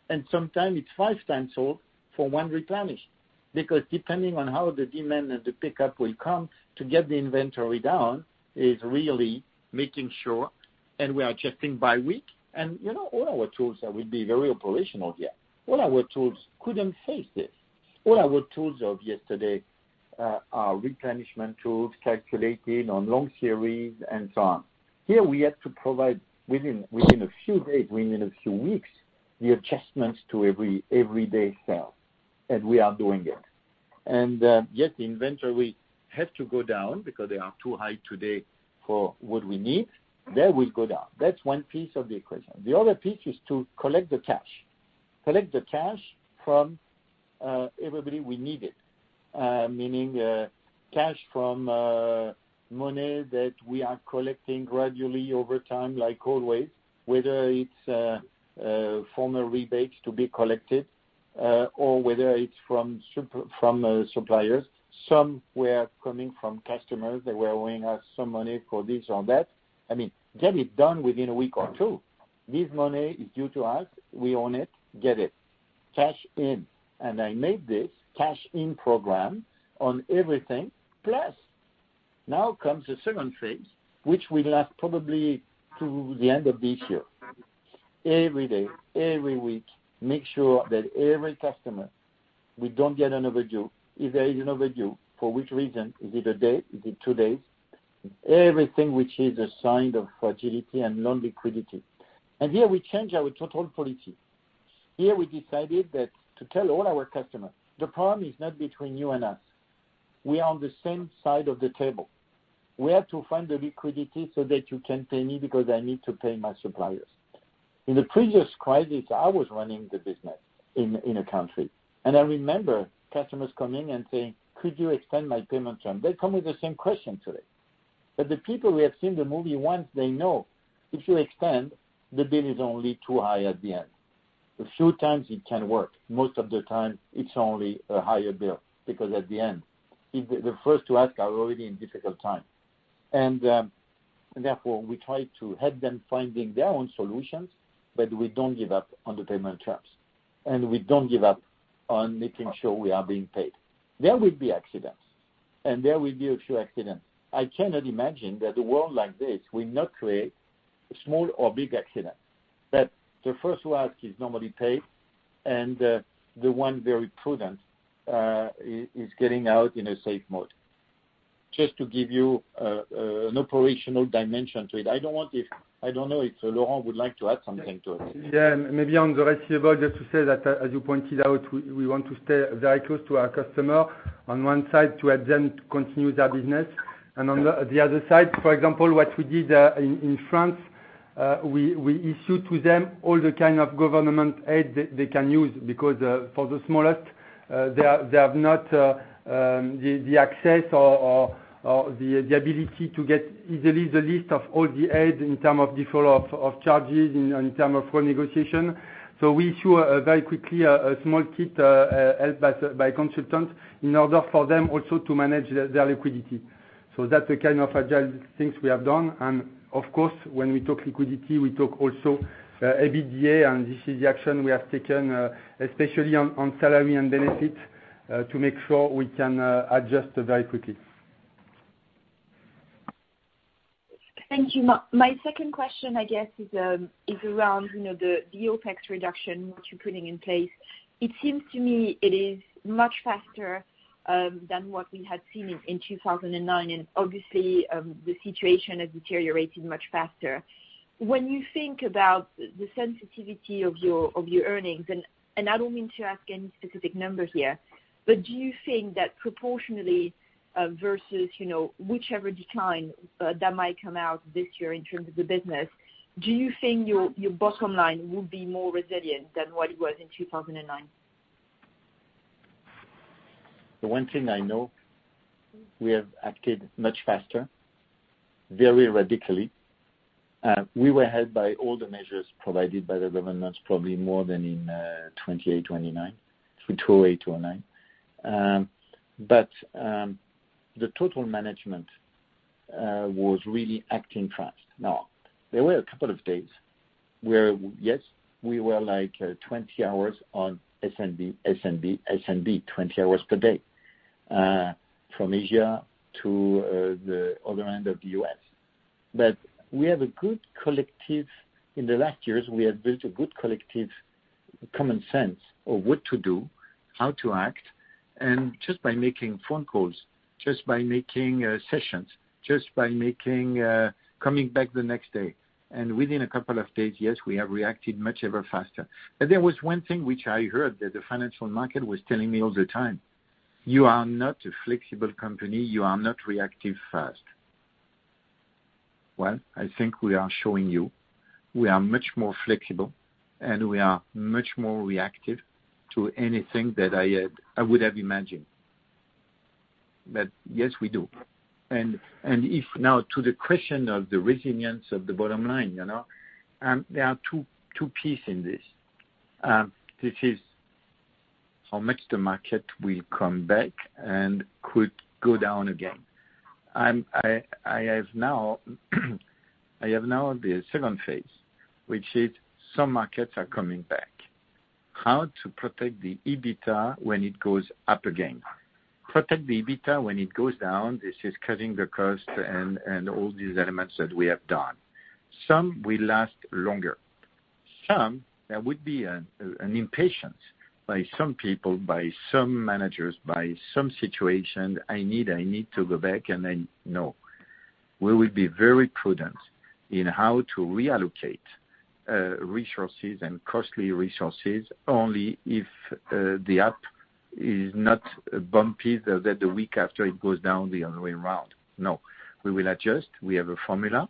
and sometime it's five times sold for one replenished. Depending on how the demand and the pickup will come, to get the inventory down is really making sure, and we are adjusting by week. All our tools that will be very operational here, all our tools couldn't face this. All our tools of yesterday are replenishment tools, calculating on long series and so on. Here, we had to provide within a few days, within a few weeks, the adjustments to everyday sales. We are doing it. Yes, the inventory has to go down because they are too high today for what we need. They will go down. That's one piece of the equation. The other piece is to collect the cash. Collect the cash from everybody we need it. Meaning, cash from money that we are collecting gradually over time, like always, whether it's former rebates to be collected, or whether it's from suppliers. Some were coming from customers that were owing us some money for this or that. Get it done within a week or two. This money is due to us. We own it, get it. Cash in. I made this cash-in program on everything. Plus, now comes the second phase, which will last probably to the end of this year. Every day, every week, make sure that every customer, we don't get an overdue. If there is an overdue, for which reason? Is it a day? Is it two days? Everything which is a sign of fragility and non-liquidity. Here we change our total policy. Here we decided to tell all our customers, the problem is not between you and us. We are on the same side of the table. We have to find the liquidity so that you can pay me because I need to pay my suppliers. In the previous crisis, I was running the business in a country. I remember customers coming and saying, "Could you extend my payment term?" They come with the same question today. The people who have seen the movie once, they know if you extend, the bill is only too high at the end. A few times it can work. Most of the time it's only a higher bill because at the end, the first to ask are already in difficult time. Therefore, we try to help them finding their own solutions. We don't give up on the payment terms. We don't give up on making sure we are being paid. There will be accidents. There will be a few accidents. I cannot imagine that a world like this will not create small or big accidents. That the first to ask is normally paid and, the one very prudent, is getting out in a safe mode. Just to give you an operational dimension to it. I don't know if Laurent would like to add something to it. Yeah. Maybe on the receivable, just to say that, as you pointed out, we want to stay very close to our customer on one side to help them to continue their business. On the other side, for example, what we did in France, we issued to them all the kind of government aid they can use because, for the smallest, they have not the access or the ability to get easily the list of all the aid in terms of default of charges, in terms of co-negotiation. We issue very quickly a small kit helped by consultant in order for them also to manage their liquidity. That is the kind of agile things we have done. Of course, when we talk liquidity, we talk also EBITDA, and this is the action we have taken, especially on salaries and benefits, to make sure we can adjust very quickly. Thank you. My second question, I guess, is around the OpEx reduction, which you're putting in place. It seems to me it is much faster than what we had seen in 2009, and obviously, the situation has deteriorated much faster. When you think about the sensitivity of your earnings, and I don't mean to ask any specific numbers here, but do you think that proportionally, versus whichever decline that might come out this year in terms of the business, do you think your bottom line will be more resilient than what it was in 2009? The one thing I know, we have acted much faster, very radically. We were helped by all the measures provided by the governments, probably more than in 2008, 2009. The total management was really acting fast. Now, there were a couple of days where, yes, we were 20 hours on S&P, 20 hours per day, from Asia to the other end of the U.S. In the last years, we have built a good collective common sense of what to do, how to act, and just by making phone calls, just by making sessions, just by coming back the next day. Within a couple of days, yes, we have reacted much ever faster. There was one thing which I heard that the financial market was telling me all the time, "You are not a flexible company. You are not reactive fast." Well, I think we are showing you we are much more flexible, and we are much more reactive to anything than I would have imagined. Yes, we do. If now to the question of the resilience of the bottom line, there are two pieces in this. This is how much the market will come back and could go down again. I have now the second phase, which is some markets are coming back. How to protect the EBITDA when it goes up again. Protect the EBITDA when it goes down, this is cutting the cost and all these elements that we have done. Some will last longer. Some, there would be an impatience by some people, by some managers, by some situation, "I need to go back," and then, no. We will be very prudent in how to reallocate resources and costly resources only if the up is not bumpy that the week after it goes down the other way around. No. We will adjust. We have a formula.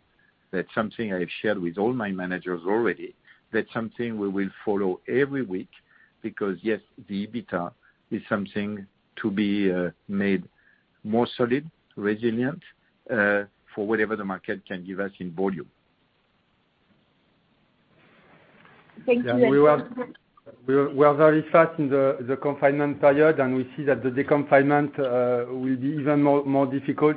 That's something I've shared with all my managers already. That's something we will follow every week. Yes, the EBITDA is something to be made more solid, resilient, for whatever the market can give us in volume. Thank you. We are very fast in the confinement period. We see that the de-confinement will be even more difficult.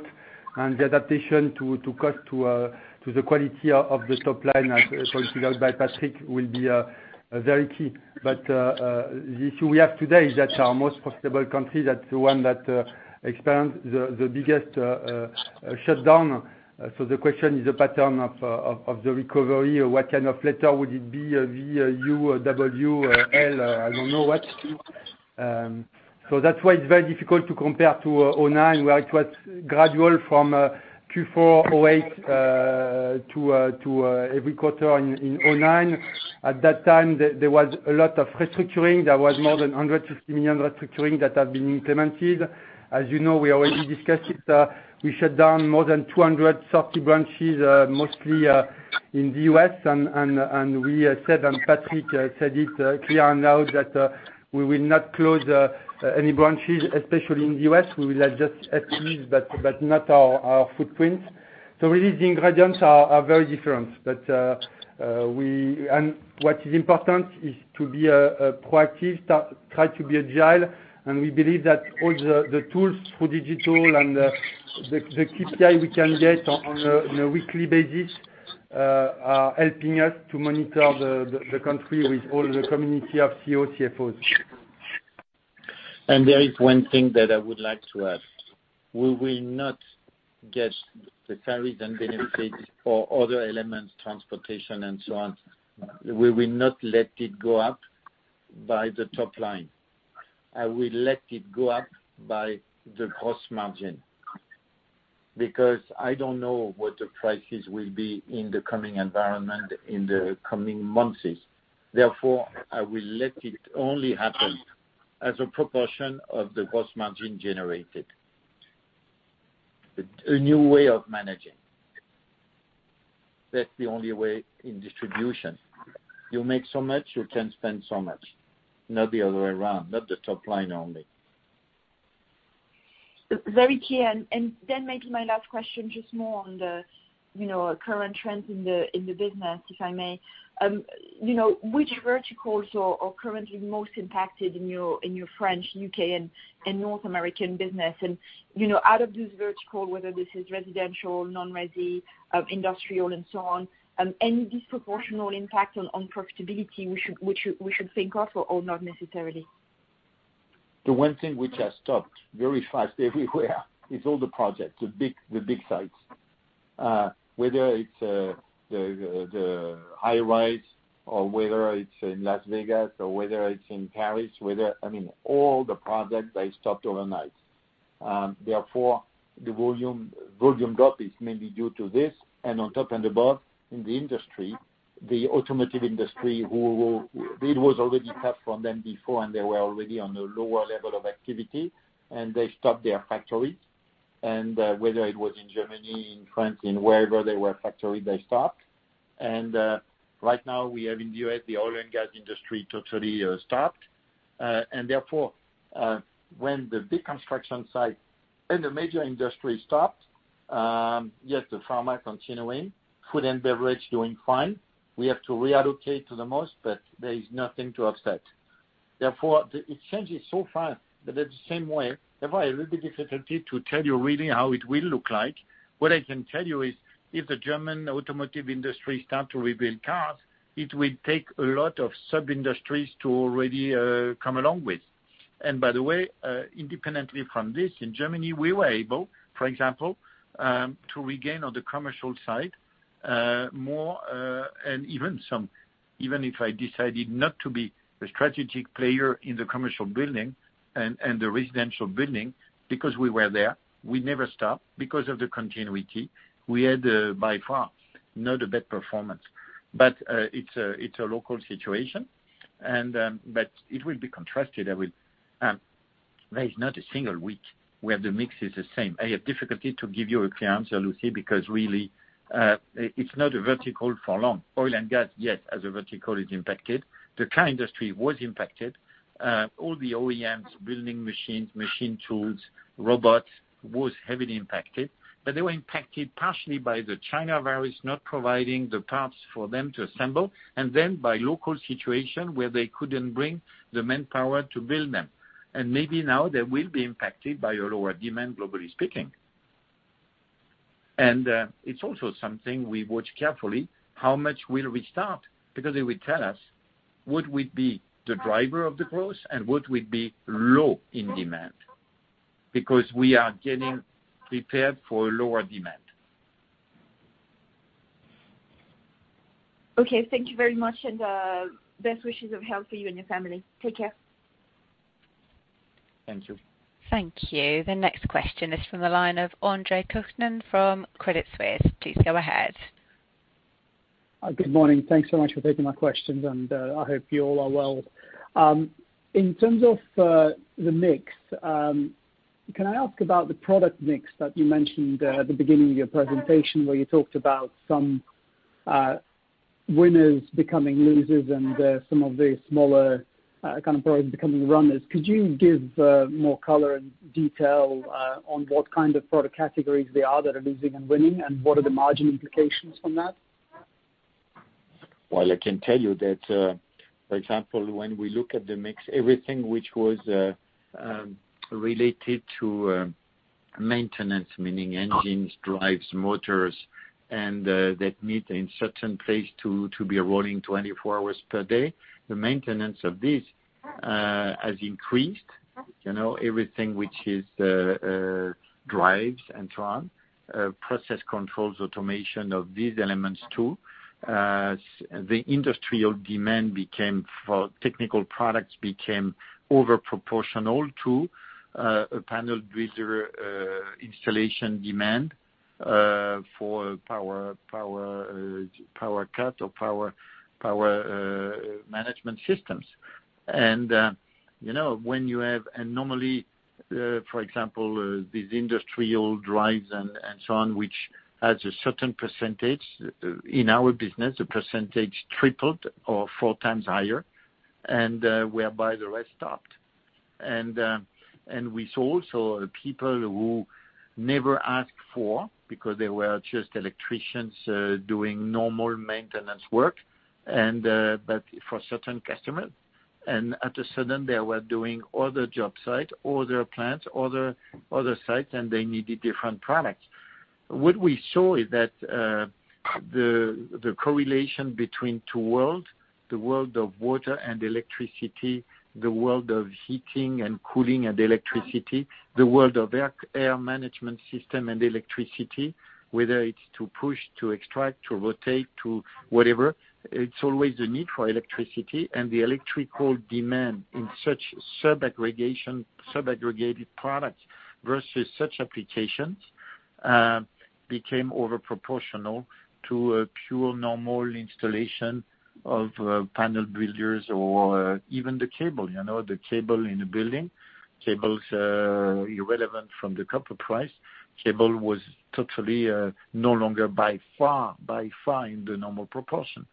The adaptation to cost to the quality of the top line, as pointed out by Patrick, will be very key. The issue we have today is that our most profitable country, that's the one that experienced the biggest shutdown. The question is the pattern of the recovery, what kind of letter would it be, a V, a U, a W, a L, I don't know what. That's why it's very difficult to compare to 2009, where it was gradual from Q4 2008 to every quarter in 2009. At that time, there was a lot of restructuring. There was more than 150 million restructuring that have been implemented. As you know, we already discussed it. We shut down more than 230 branches, mostly in the U.S., and we said, and Patrick said it clear now that we will not close any branches, especially in the U.S. We will adjust at least, but not our footprint. Really, the ingredients are very different. What is important is to be proactive, try to be agile, and we believe that all the tools through digital and the KPI we can get on a weekly basis are helping us to monitor the country with all the community of CEO, CFOs. There is one thing that I would like to add. We will not get the salaries and benefits or other elements, transportation and so on. We will not let it go up by the top line. I will let it go up by the gross margin because I don't know what the prices will be in the coming environment in the coming months. Therefore, I will let it only happen as a proportion of the gross margin generated. A new way of managing. That's the only way in distribution. You make so much, you can spend so much, not the other way around, not the top line only. Very clear. Then maybe my last question, just more on the current trends in the business, if I may. Which verticals are currently most impacted in your French, U.K., and North American business? Out of this vertical, whether this is residential, non-resi, industrial, and so on, any disproportional impact on profitability we should think of or not necessarily? The one thing which has stopped very fast everywhere is all the projects, the big sites. Whether it's the high-rise or whether it's in Las Vegas or whether it's in Paris. All the projects, they stopped overnight. The volume drop is mainly due to this and on top and above in the industry, the automotive industry, it was already tough on them before, and they were already on a lower level of activity, and they stopped their factories. Whether it was in Germany, in France, in wherever they were factory, they stopped. Right now we have in the U.S., the oil and gas industry totally stopped. When the big construction site and the major industry stopped, yet the pharma continuing, food and beverage doing fine. We have to reallocate to the most, there is nothing to upset. The change is so fast that at the same way, I have a little bit of difficulty to tell you really how it will look like. What I can tell you is, if the German automotive industry starts to rebuild cars, it will take a lot of sub-industries to already come along with. By the way, independently from this, in Germany, we were able, for example, to regain on the commercial side, more and even if I decided not to be a strategic player in the commercial building and the residential building because we were there, we never stopped because of the continuity. We had, by far, not a bad performance. It's a local situation, but it will be contrasted with. There is not a single week where the mix is the same. I have difficulty to give you a clear answer, Lucie, because really, it's not a vertical for long. Oil and gas, yes, as a vertical is impacted. The car industry was impacted. All the OEMs, building machines, machine tools, robots was heavily impacted, but they were impacted partially by the COVID-19 not providing the parts for them to assemble, and then by local situation where they couldn't bring the manpower to build them. Maybe now they will be impacted by a lower demand, globally speaking. It's also something we watch carefully. How much will restart? Because it will tell us what would be the driver of the growth and what would be low in demand. Because we are getting prepared for lower demand. Okay. Thank you very much. Best wishes of health for you and your family. Take care. Thank you. Thank you. The next question is from the line of Andre Kukhnin from Credit Suisse. Please go ahead. Good morning. Thanks so much for taking my questions. I hope you all are well. In terms of the mix, can I ask about the product mix that you mentioned at the beginning of your presentation, where you talked about some winners becoming losers and some of the smaller kind of products becoming runners. Could you give more color and detail on what kind of product categories they are that are losing and winning, and what are the margin implications from that? Well, I can tell you that, for example, when we look at the mix, everything which was related to maintenance, meaning engines, drives, motors, and that need in certain place to be rolling 24 hours per day. The maintenance of this has increased. Everything which is drives and so on, process controls, automation of these elements too. The industry of demand became for technical products, became over proportional to a panel driller installation demand, for power cut or power management systems. Normally, for example, these industrial drives and so on, which has a certain percentage in our business, the percentage tripled or four times higher, and whereby the rest stopped. We saw also people who never asked for, because they were just electricians doing normal maintenance work. For certain customers, and at a sudden, they were doing other job site, other plants, other sites, and they needed different products. What we saw is that the correlation between two world, the world of water and electricity, the world of heating and cooling and electricity, the world of air management system and electricity, whether it's to push, to extract, to rotate, to whatever, it's always a need for electricity and the electrical demand in such sub-aggregated products versus such applications, became over proportional to a pure normal installation of panel builders or even the cable. The cable in the building, cables are irrelevant from the copper price. Cable was totally no longer by far in the normal proportion.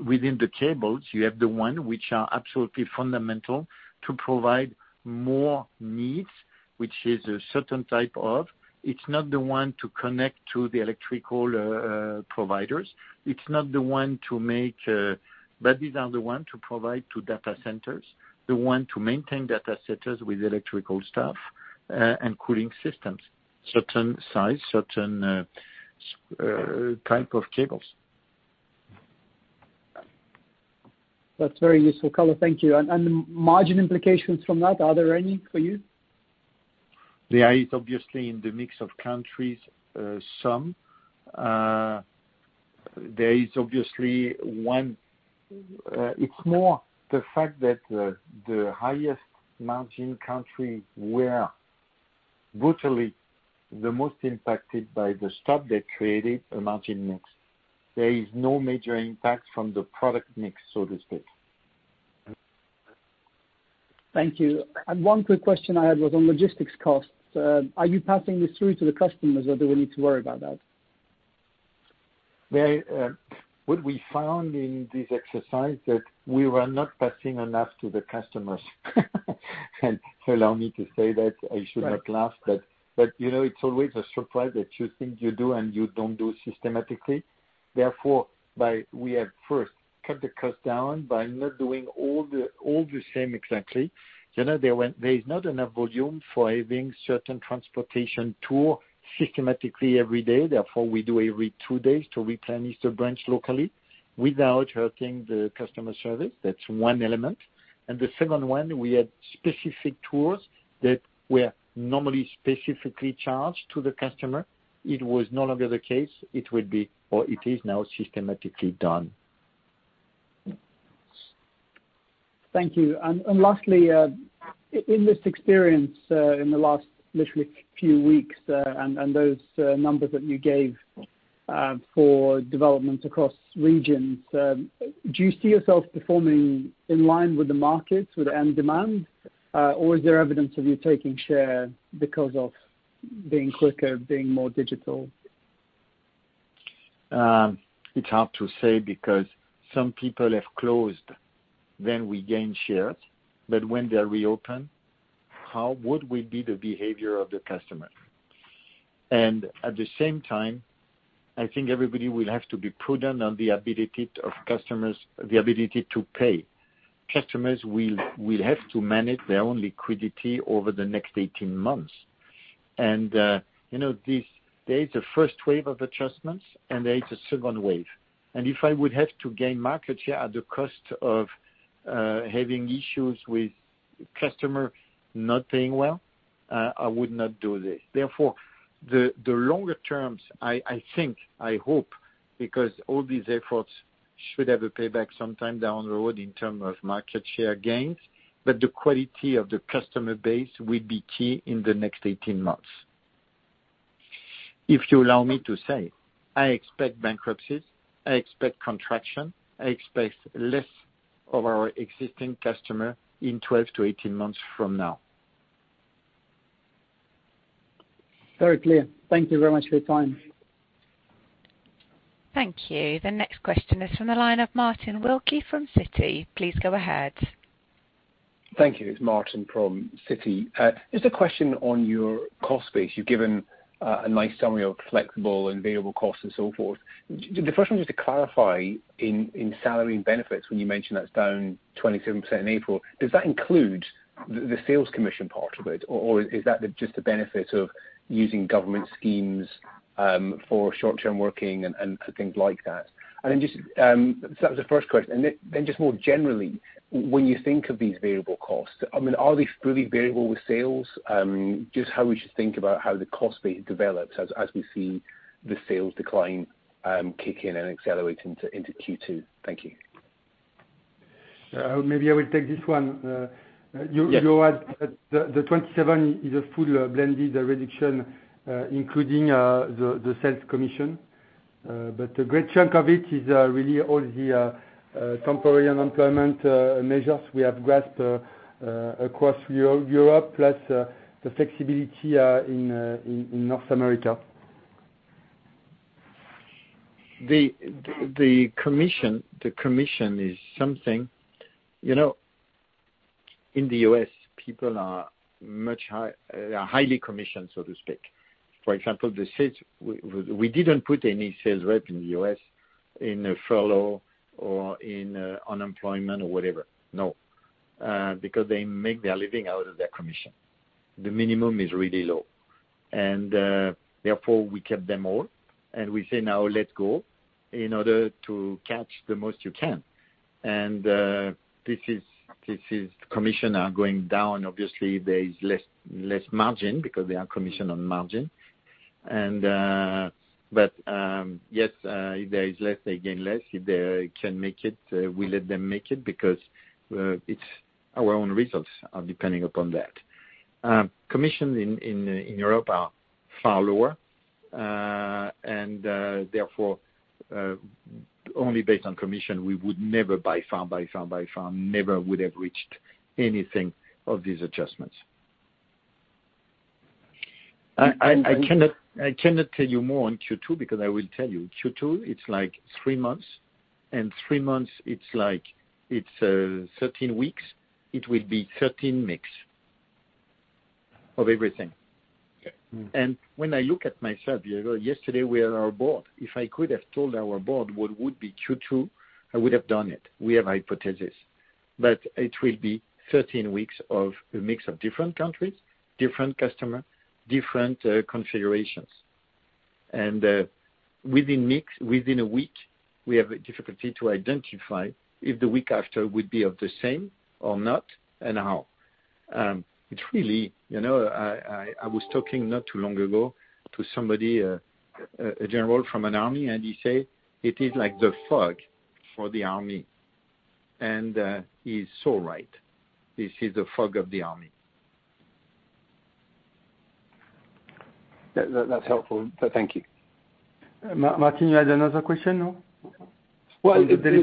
Within the cables, you have the one which are absolutely fundamental to provide more needs, which is a certain type of, it's not the one to connect to the electrical providers. These are the one to provide to data centers, the one to maintain data centers with electrical stuff, and cooling systems, certain size, certain type of cables. That's very useful, Patrick. Thank you. The margin implications from that, are there any for you? There is obviously in the mix of countries, some. It's more the fact that the highest margin country were brutally the most impacted by the stop that created a margin mix. There is no major impact from the product mix, so to speak. Thank you. One quick question I had was on logistics costs. Are you passing this through to the customers, or do we need to worry about that? What we found in this exercise that we were not passing enough to the customers. Allow me to say that I should not laugh. Right. It's always a surprise that you think you do and you don't do systematically. We have first cut the cost down by not doing all the same exactly. There is not enough volume for having certain transportation tool systematically every day. We do every two days to replenish the branch locally without hurting the customer service. That's one element. The second one, we had specific tools that were normally specifically charged to the customer. It was no longer the case. It will be, or it is now systematically done. Thank you. Lastly, in this experience, in the last literally few weeks, and those numbers that you gave for development across regions, do you see yourself performing in line with the markets, with end demand? Is there evidence of you taking share because of being quicker, being more digital? It's hard to say because some people have closed, then we gain shares. When they reopen, how would we be the behavior of the customer? At the same time, I think everybody will have to be prudent on the ability to pay. Customers will have to manage their own liquidity over the next 18 months. There is a first wave of adjustments, and there is a second wave. If I would have to gain market share at the cost of having issues with customer not paying well, I would not do this. Therefore, the longer terms, I think, I hope, because all these efforts should have a payback sometime down the road in term of market share gains, but the quality of the customer base will be key in the next 18 months. If you allow me to say, I expect bankruptcies, I expect contraction, I expect less of our existing customer in 12 months-18 months from now. Very clear. Thank you very much for your time. Thank you. The next question is from the line of Martin Wilkie from Citi. Please go ahead. Thank you. It's Martin from Citi. Just a question on your cost base. You've given a nice summary of flexible and variable costs and so forth. The first one, just to clarify in salaries and benefits, when you mention that's down 27% in April, does that include the sales commission part of it, or is that just the benefit of using government schemes for short-term working and things like that? That was the first question. Just more generally, when you think of these variable costs, are these really variable with sales? Just how we should think about how the cost base develops as we see the sales decline kick in and accelerate into Q2. Thank you. Maybe I will take this one. Yes. You had the 27% is a full blended reduction, including the sales commission. A great chunk of it is really all the temporary unemployment measures we have grasped across Europe, plus the flexibility in North America. In the U.S., people are highly commissioned, so to speak. For example, the sales, we didn't put any sales rep in the U.S. in furlough or in unemployment or whatever. No. They make their living out of their commission. The minimum is really low. Therefore, we kept them all, and we say, "Now let's go in order to catch the most you can." This is commission are going down. Obviously, there is less margin because they are commission on margin. Yes, if there is less, they gain less. If they can make it, we let them make it because our own results are depending upon that. Commissions in Europe are far lower, and therefore, only based on commission, we would never by far would have reached anything of these adjustments. I cannot tell you more on Q2 because I will tell you, Q2, it's like three months, and three months it's 13 weeks. It will be 13 mix of everything. Okay. When I look at myself, yesterday we had our board. If I could have told our board what would be Q2, I would have done it. We have hypothesis. It will be 13 weeks of a mix of different countries, different customer, different configurations. Within a week, we have a difficulty to identify if the week after would be of the same or not and how. I was talking not too long ago to somebody, a general from an army, and he say, "It is like the fog for the army." He's so right. This is the fog of the army. That's helpful. Thank you. Martin, you had another question, no? The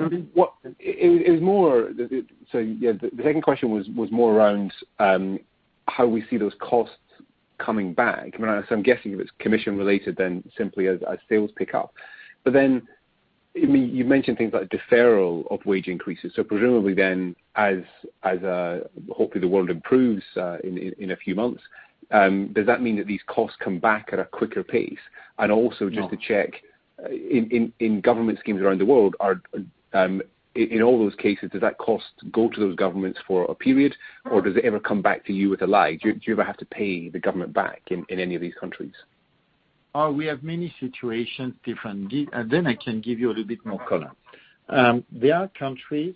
second question was more around how we see those costs coming back. I'm guessing if it's commission related, then simply as sales pick up. You've mentioned things like deferral of wage increases. Presumably then, as hopefully the world improves in a few months, does that mean that these costs come back at a quicker pace? No just to check, in government schemes around the world, in all those cases, does that cost go to those governments for a period, or does it ever come back to you with a liability? Do you ever have to pay the government back in any of these countries? We have many situations differently. I can give you a little bit more color. There are countries,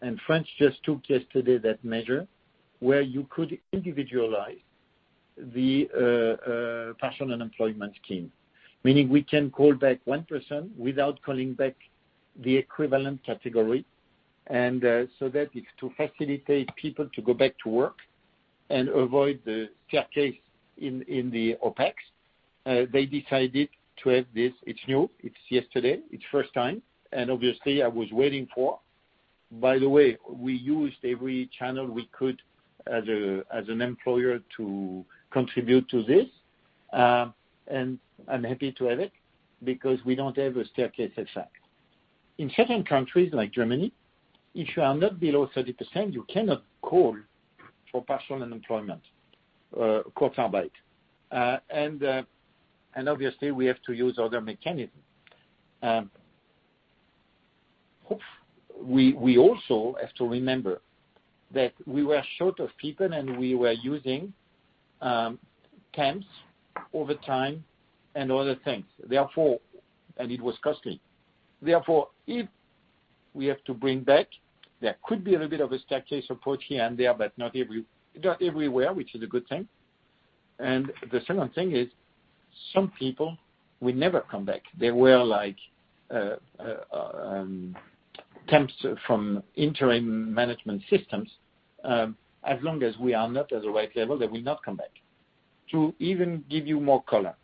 and France just took yesterday that measure, where you could individualize the partial unemployment scheme, meaning we can call back one person without calling back the equivalent category. That is to facilitate people to go back to work and avoid the staircase in the OpEx. They decided to have this. It's new, it's yesterday, it's first time. Obviously I was waiting for. By the way, we used every channel we could as an employer to contribute to this. I'm happy to have it because we don't have a staircase effect. In certain countries like Germany, if you are not below 30%, you cannot call for partial unemployment, Kurzarbeit. Obviously we have to use other mechanism. We also have to remember that we were short of people and we were using temps over time and other things. It was costly. Therefore, if we have to bring back, there could be a little bit of a staircase approach here and there, but not everywhere, which is a good thing. The second thing is, some people will never come back. They were temps from interim management systems. As long as we are not at the right level, they will not come back. To even give you more color,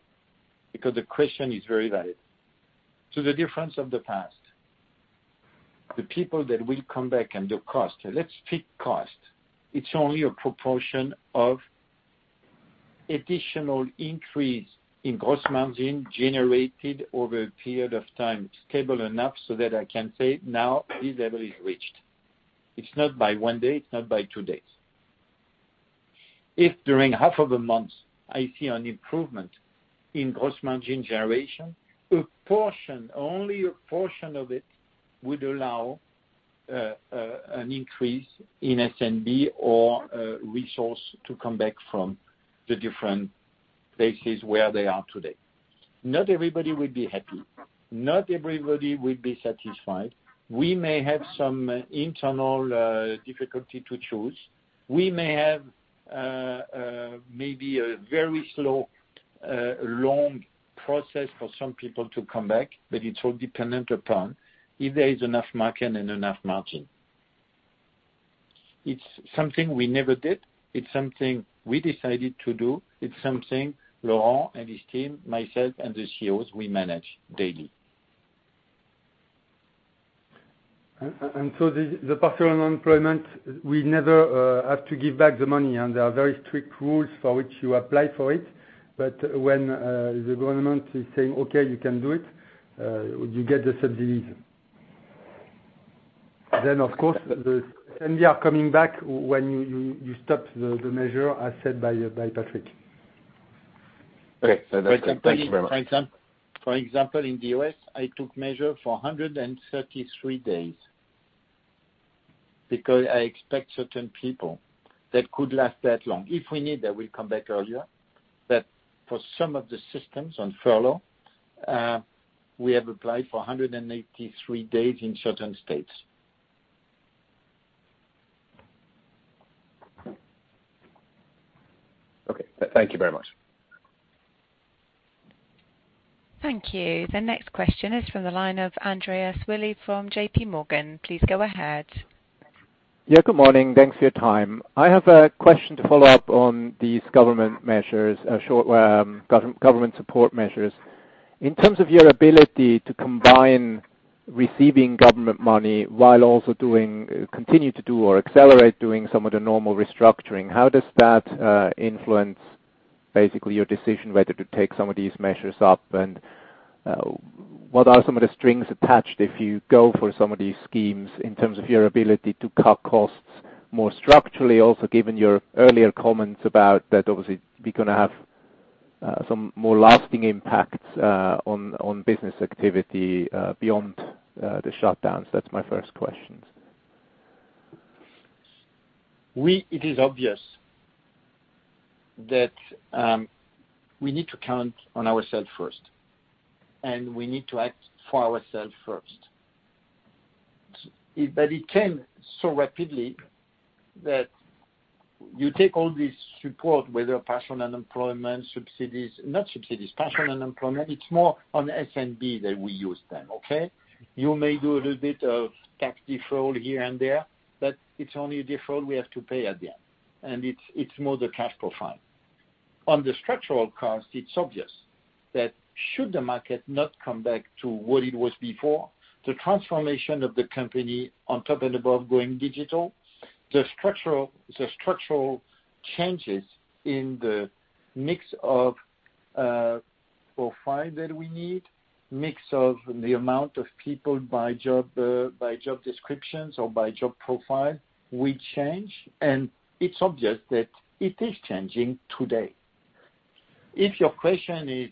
because the question is very valid. To the difference of the past, the people that will come back and the cost, let's pick cost. It's only a proportion of additional increase in gross margin generated over a period of time stable enough so that I can say now this level is reached. It's not by one day, it's not by two days. If during half of a month I see an improvement in gross margin generation, a portion, only a portion of it would allow an increase in S&B or a resource to come back from the different places where they are today. Not everybody will be happy. Not everybody will be satisfied. We may have some internal difficulty to choose. We may have maybe a very slow, long process for some people to come back. It's all dependent upon if there is enough market and enough margin. It's something we never did. It's something we decided to do. It's something Laurent and his team, myself and the CEOs, we manage daily. The partial unemployment, we never have to give back the money and there are very strict rules for which you apply for it. When the government is saying, "Okay, you can do it," you get the subsidies. Of course, the S&B are coming back when you stop the measure, as said by Patrick. Okay. That's it. Thank you very much. For example, in the U.S., I took measure for 133 days because I expect certain people that could last that long. If we need that, we'll come back earlier. For some of the systems on furlough, we have applied for 183 days in certain states. Okay. Thank you very much. Thank you. The next question is from the line of Andreas Willi from JPMorgan. Please go ahead. Good morning. Thanks for your time. I have a question to follow up on these government support measures. In terms of your ability to combine receiving government money while also continue to do or accelerate doing some of the normal restructuring, how does that influence basically your decision whether to take some of these measures up and what are some of the strings attached if you go for some of these schemes in terms of your ability to cut costs more structurally? Given your earlier comments about that obviously we're going to have some more lasting impacts on business activity beyond the shutdowns. That's my first question. It is obvious that we need to count on ourselves first, and we need to act for ourselves first. It came so rapidly that you take all this support, whether partial unemployment subsidies, not subsidies, partial unemployment. It's more on S&B that we use them. Okay? You may do a little bit of tax deferral here and there, but it's only a deferral, we have to pay at the end. It's more the cash profile. On the structural cost, it's obvious that should the market not come back to what it was before, the transformation of the company on top and above going digital, the structural changes in the mix of profile that we need, mix of the amount of people by job descriptions or by job profile will change, and it's obvious that it is changing today. If your question is,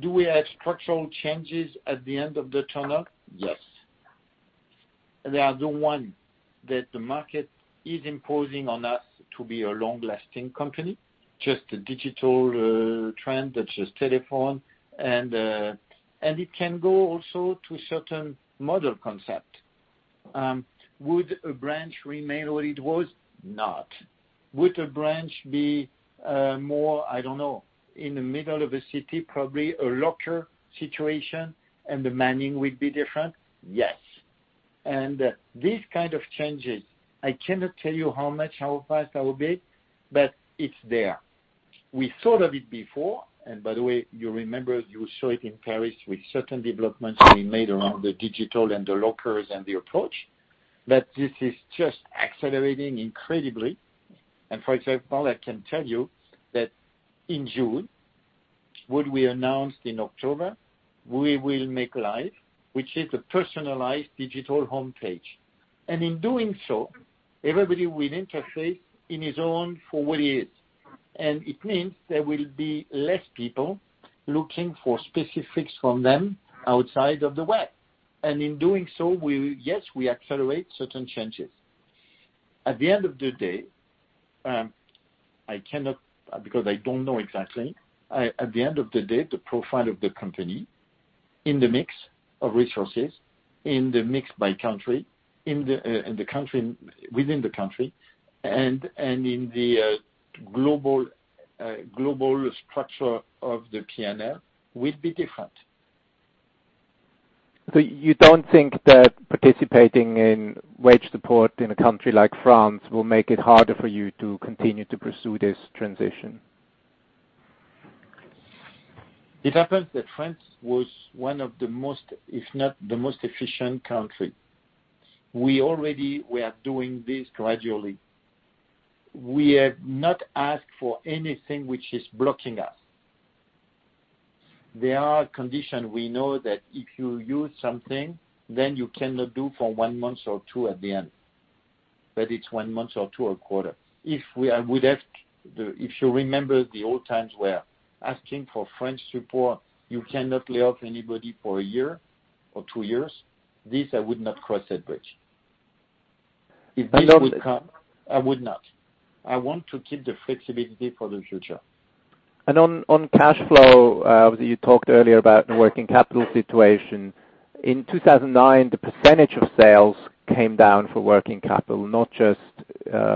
do we have structural changes at the end of the tunnel? Yes. They are the one that the market is imposing on us to be a long-lasting company, just a digital trend that's just telephone. It can go also to certain model concept. Would a branch remain what it was? Not. Would a branch be more, I don't know, in the middle of a city, probably a locker situation and the manning would be different? Yes. These kind of changes, I cannot tell you how much, how fast that will be, but it's there. We thought of it before, and by the way, you remember, you saw it in Paris with certain developments we made around the digital and the lockers and the approach, that this is just accelerating incredibly. For example, I can tell you that in June, what we announced in October, we will make live, which is a personalized digital homepage. In doing so, everybody will interface in his own for what he is. It means there will be less people looking for specifics from them outside of the web. In doing so, yes, we accelerate certain changes. At the end of the day, because I don't know exactly, at the end of the day, the profile of the company in the mix of resources, in the mix by country, within the country, and in the global structure of the P&L will be different. You don't think that participating in wage support in a country like France will make it harder for you to continue to pursue this transition? It happens that France was one of the most, if not the most efficient country. We already were doing this gradually. We have not asked for anything which is blocking us. There are conditions we know that if you use something, then you cannot do for one month or two at the end, but it's one month or two a quarter. If you remember the old times were asking for French support, you cannot lay off anybody for a year or two years. This, I would not cross that bridge. I know- If this would come, I would not. I want to keep the flexibility for the future. On cash flow, you talked earlier about the working capital situation. In 2009, the percentage of sales came down for working capital, not just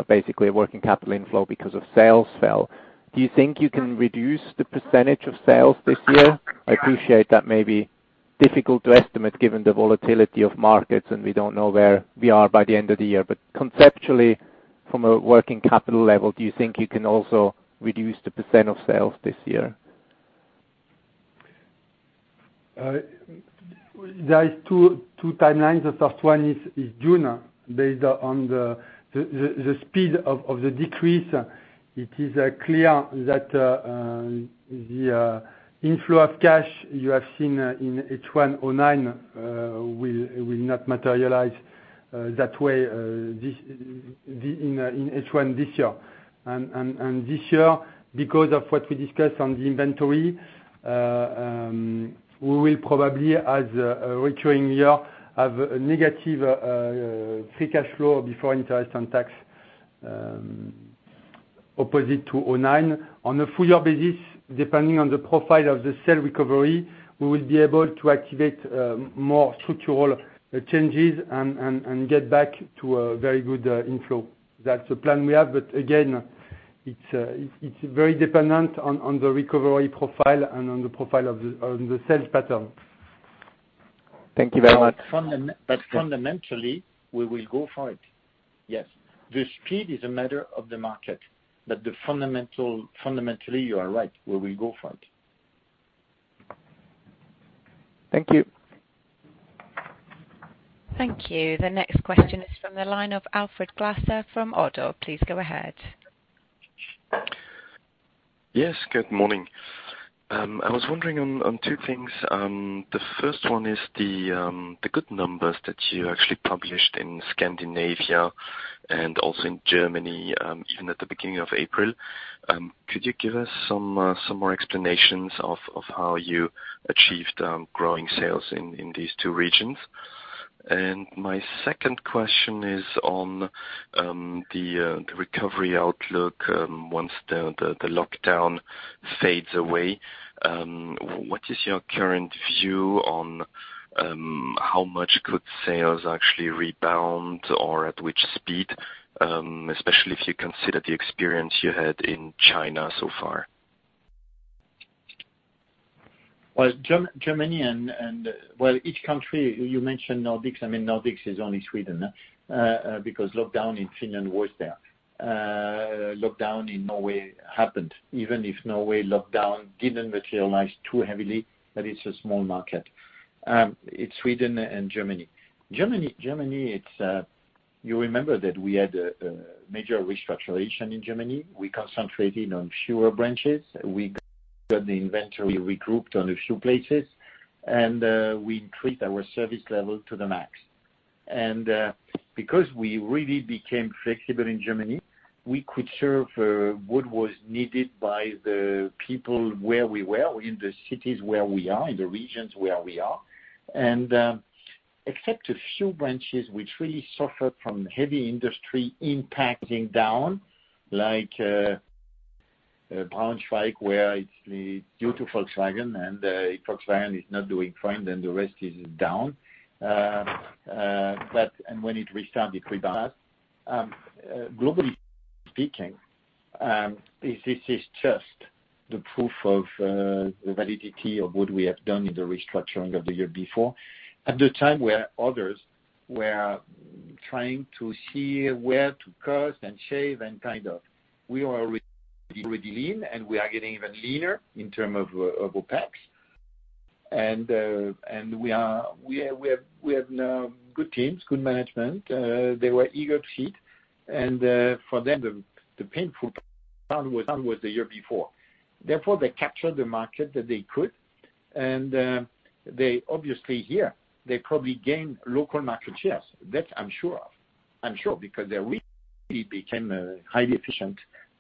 basically a working capital inflow because of sales fell. Do you think you can reduce the percentage of sales this year? I appreciate that may be difficult to estimate given the volatility of markets, and we don't know where we are by the end of the year. Conceptually, from a working capital level, do you think you can also reduce the percentage of sales this year? There is 2 timelines. The first one is June, based on the speed of the decrease. It is clear that the inflow of cash you have seen in H1 2009 will not materialize that way in H1 this year. This year, because of what we discussed on the inventory, we will probably as a recurring year, have a negative free cash flow before interest and tax opposite to 2009. On a full year basis, depending on the profile of the sales recovery, we will be able to activate more structural changes and get back to a very good inflow. That's the plan we have, but again, it's very dependent on the recovery profile and on the profile of the sales pattern. Thank you very much. Fundamentally, we will go for it. Yes. The speed is a matter of the market, but fundamentally, you are right. We will go for it. Thank you. Thank you. The next question is from the line of Alfred Glaser from ODDO. Please go ahead. Yes, good morning. I was wondering on two things. The first one is the good numbers that you actually published in Scandinavia and also in Germany, even at the beginning of April. Could you give us some more explanations of how you achieved growing sales in these two regions? My second question is on the recovery outlook once the lockdown fades away. What is your current view on how much could sales actually rebound, or at which speed, especially if you consider the experience you had in China so far? Well, Germany. Each country, you mentioned Nordics. Nordics is only Sweden because lockdown in Finland was there. Lockdown in Norway happened. Even if Norway lockdown didn't materialize too heavily, that is a small market. It's Sweden and Germany. Germany, you remember that we had a major restructuring in Germany. We concentrated on fewer branches. We got the inventory regrouped on a few places, and we increased our service level to the max. Because we really became flexible in Germany, we could serve what was needed by the people where we were, in the cities where we are, in the regions where we are. Except a few branches which really suffered from heavy industry impacting down, like Braunschweig, where it's due to Volkswagen, and Volkswagen is not doing fine, then the rest is down. When it restart, it rebounds. Globally speaking, this is just the proof of the validity of what we have done in the restructuring of the year before, at the time where others were trying to see where to cut and shave. We are already lean, we are getting even leaner in term of OpEx. We have good teams, good management. They were eager to hit. For them, the painful cut down was the year before. Therefore, they captured the market that they could, and they obviously here, they probably gained local market shares. That I'm sure of. I'm sure because their reach became highly efficient,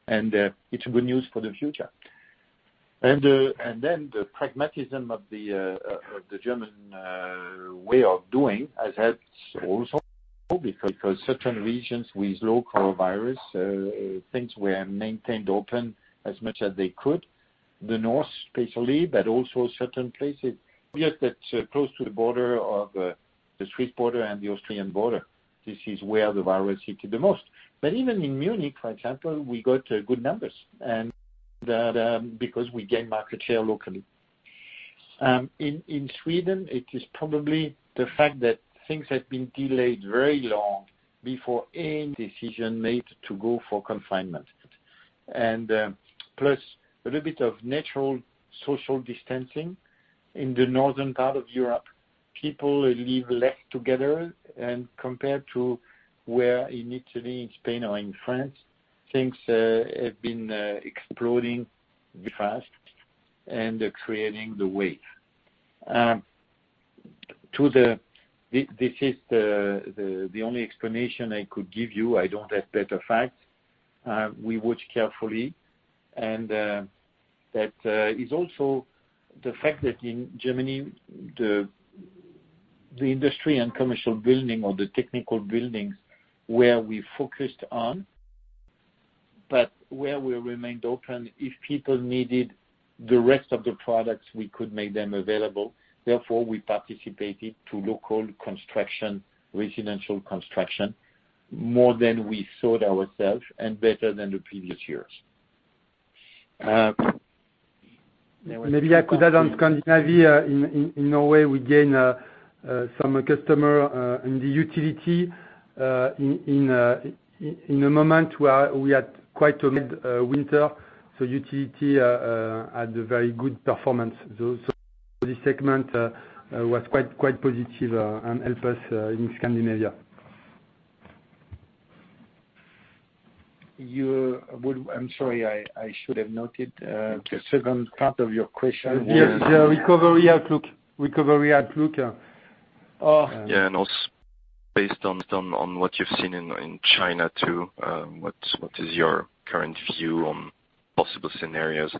and it's good news for the future. The pragmatism of the German way of doing has helped also because certain regions with low coronavirus, things were maintained open as much as they could, the north, especially, but also certain places. Yes, that's close to the border of the Swiss border and the Austrian border. This is where the virus hit the most. Even in Munich, for example, we got good numbers. Because we gained market share locally. In Sweden, it is probably the fact that things have been delayed very long before any decision made to go for confinement. Plus a little bit of natural social distancing in the northern part of Europe. People live less together and compared to where in Italy, in Spain, or in France, things have been exploding very fast and creating the wave. This is the only explanation I could give you. I don't have better facts. We watch carefully, that is also the fact that in Germany, the industry and commercial building or the technical buildings where we focused on, but where we remained open, if people needed the rest of the products, we could make them available. Therefore, we participated to local construction, residential construction, more than we thought ourselves and better than the previous years. Maybe I could add on Scandinavia. In Norway, we gain some customer, and the utility, in a moment where we had quite a mild winter, so utility had a very good performance. This segment was quite positive and help us in Scandinavia. I'm sorry, I should have noted the second part of your question was. Yes, the recovery outlook. Yeah, based on what you've seen in China too, what is your current view on possible scenarios?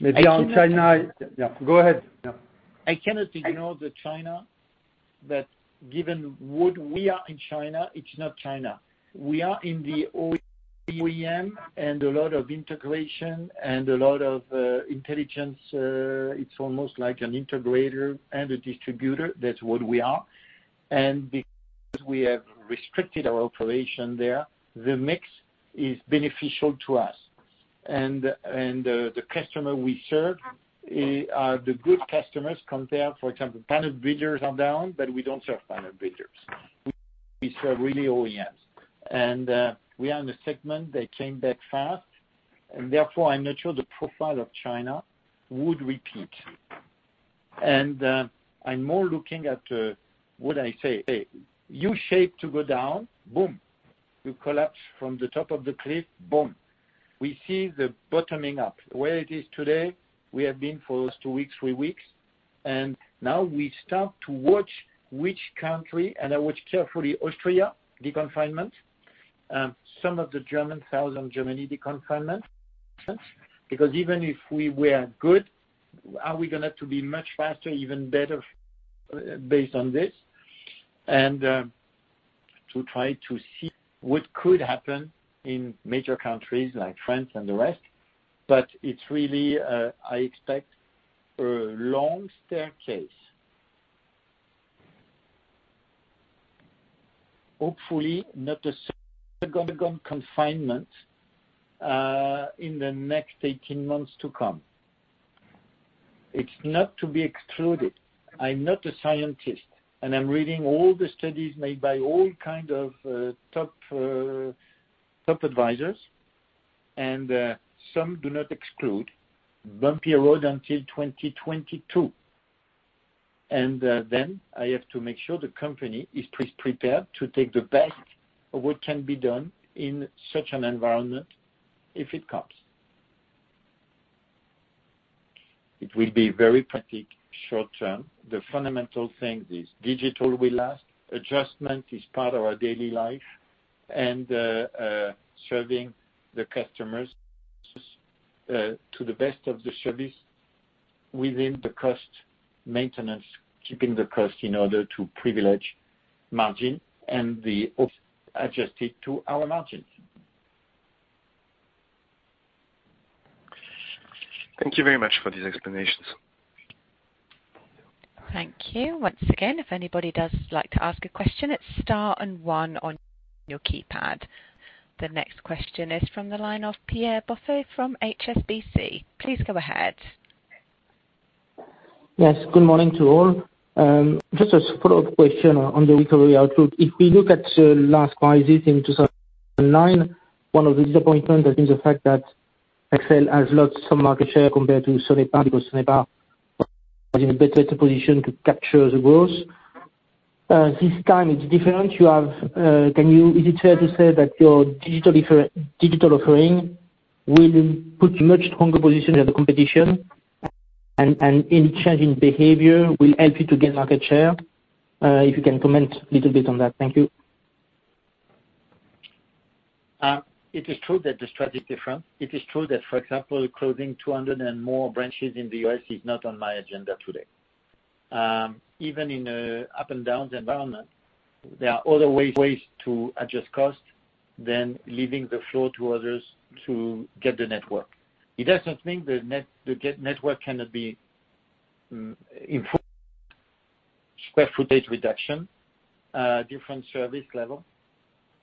Maybe on China. Yeah, go ahead. I cannot ignore the China that given what we are in China, it's not China. We are in the OEM and a lot of integration and a lot of intelligence. It's almost like an integrator and a distributor. That's what we are. Because we have restricted our operation there, the mix is beneficial to us. The customer we serve are the good customers compared, for example, panel builders are down, but we don't serve panel builders. We serve really OEMs. We are in a segment that came back fast, and therefore, I'm not sure the profile of China would repeat. I'm more looking at, what I say, U shape to go down, boom. You collapse from the top of the cliff, boom. We see the bottoming up. Where it is today, we have been for those two weeks, three weeks. Now we start to watch which country, and I watch carefully Austria, the confinement. Some of the German sales on Germany deconfinement, because even if we were good, are we going to be much faster, even better based on this? To try to see what could happen in major countries like France and the rest. It's really, I expect, a long staircase. Hopefully, not a second confinement in the next 18 months to come. It's not to be excluded. I'm not a scientist. I'm reading all the studies made by all kind of top advisors. Some do not exclude bumpy road until 2022. I have to make sure the company is prepared to take the best of what can be done in such an environment if it comes. It will be very pragmatic short-term. The fundamental thing is digital will last, adjustment is part of our daily life, and serving the customers to the best of the service within the cost maintenance, keeping the cost in order to privilege margin and the adjust it to our margins. Thank you very much for these explanations. Thank you. Once again, if anybody does like to ask a question, it's star and one on your keypad. The next question is from the line of Pierre Bosset from HSBC. Please go ahead. Yes, good morning to all. Just a follow-up question on the recovery outlook. If we look at last crisis in 2009, one of the disappointments has been the fact that Rexel has lost some market share compared to Sonepar, because Sonepar was in a better position to capture the growth. This time it's different. Is it fair to say that your digital offering will put you much stronger position than the competition, and any change in behavior will help you to gain market share? If you can comment a little bit on that. Thank you. It is true that the strategy is different. It is true that, for example, closing 200 and more branches in the U.S. is not on my agenda today. Even in an up and down environment, there are other ways to adjust cost than leaving the floor to others to get the network. It does not mean the network cannot be improved. Square footage reduction, different service level,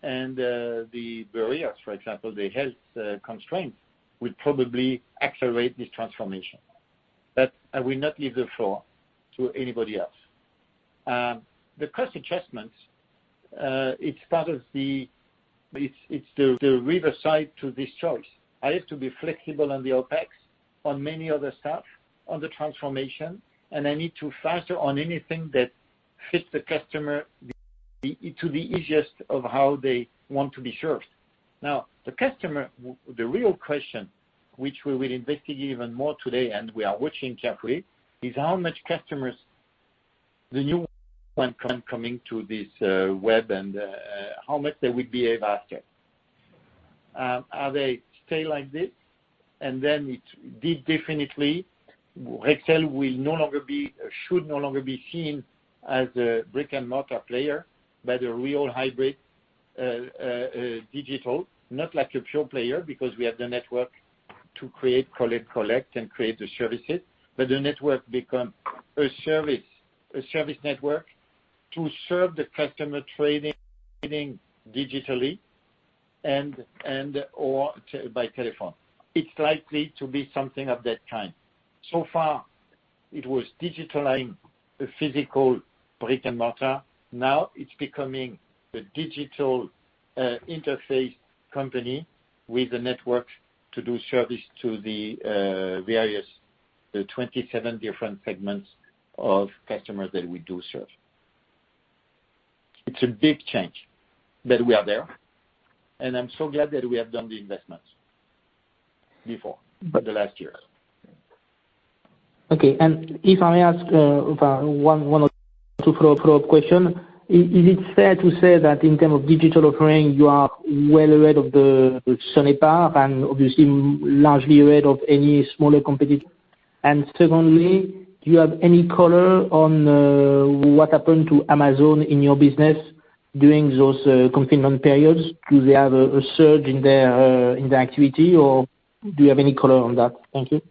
and the barriers, for example, the health constraints, will probably accelerate this transformation. I will not leave the floor to anybody else. The cost adjustments, it's the reverse side to this choice. I have to be flexible on the OpEx, on many other stuff, on the transformation, and I need to faster on anything that fits the customer to the easiest of how they want to be served. The real question, which we will investigate even more today, and we are watching carefully, is how much customers, the new ones coming to this web and how much they would behave after. Are they stay like this? It definitely, Rexel should no longer be seen as a brick-and-mortar player, but a real hybrid digital, not like a pure player, because we have the network to create, collect, and create the services. The network become a service network to serve the customer trading digitally and/or by telephone. It's likely to be something of that kind. So far it was digitalizing a physical brick-and-mortar. It's becoming a digital interface company with a network to do service to the various 27 different segments of customers that we do serve. It's a big change that we are there, and I'm so glad that we have done the investments before, for the last years. Okay. If I may ask one or two follow-up question. Is it fair to say that in term of digital offering, you are well ahead of the Sonepar and obviously largely ahead of any smaller competitor? Secondly, do you have any color on what happened to Amazon in your business during those confinement periods? Do they have a surge in their activity, or do you have any color on that? Thank you.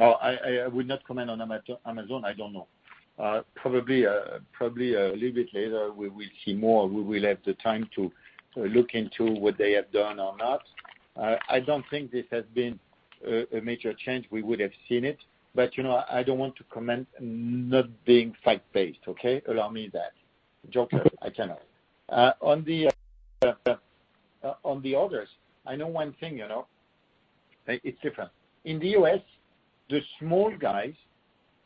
I would not comment on Amazon. I don't know. Probably a little bit later, we will see more. We will have the time to look into what they have done or not. I don't think this has been a major change. We would have seen it. I don't want to comment not being fact-based, okay. Allow me that. Joker, I cannot. On the others, I know one thing. It's different. In the U.S., the small guys,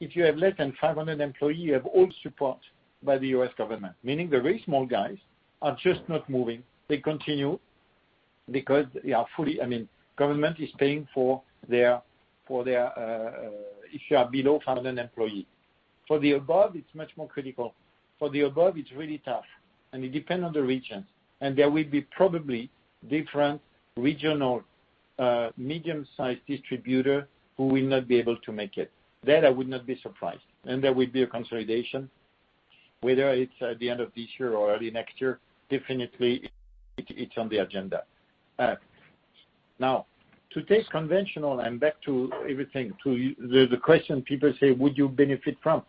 if you have less than 500 employee, you have all support by the U.S. government, meaning the very small guys are just not moving. They continue. Because government is paying for their-- if you are below 1,000 employee. For the above, it's much more critical. For the above, it's really tough, and it depends on the region. There will be probably different regional medium-sized distributor who will not be able to make it. That I would not be surprised. There will be a consolidation, whether it's at the end of this year or early next year. Definitely, it's on the agenda. To take conventional, and back to the question, people say: Would you benefit from?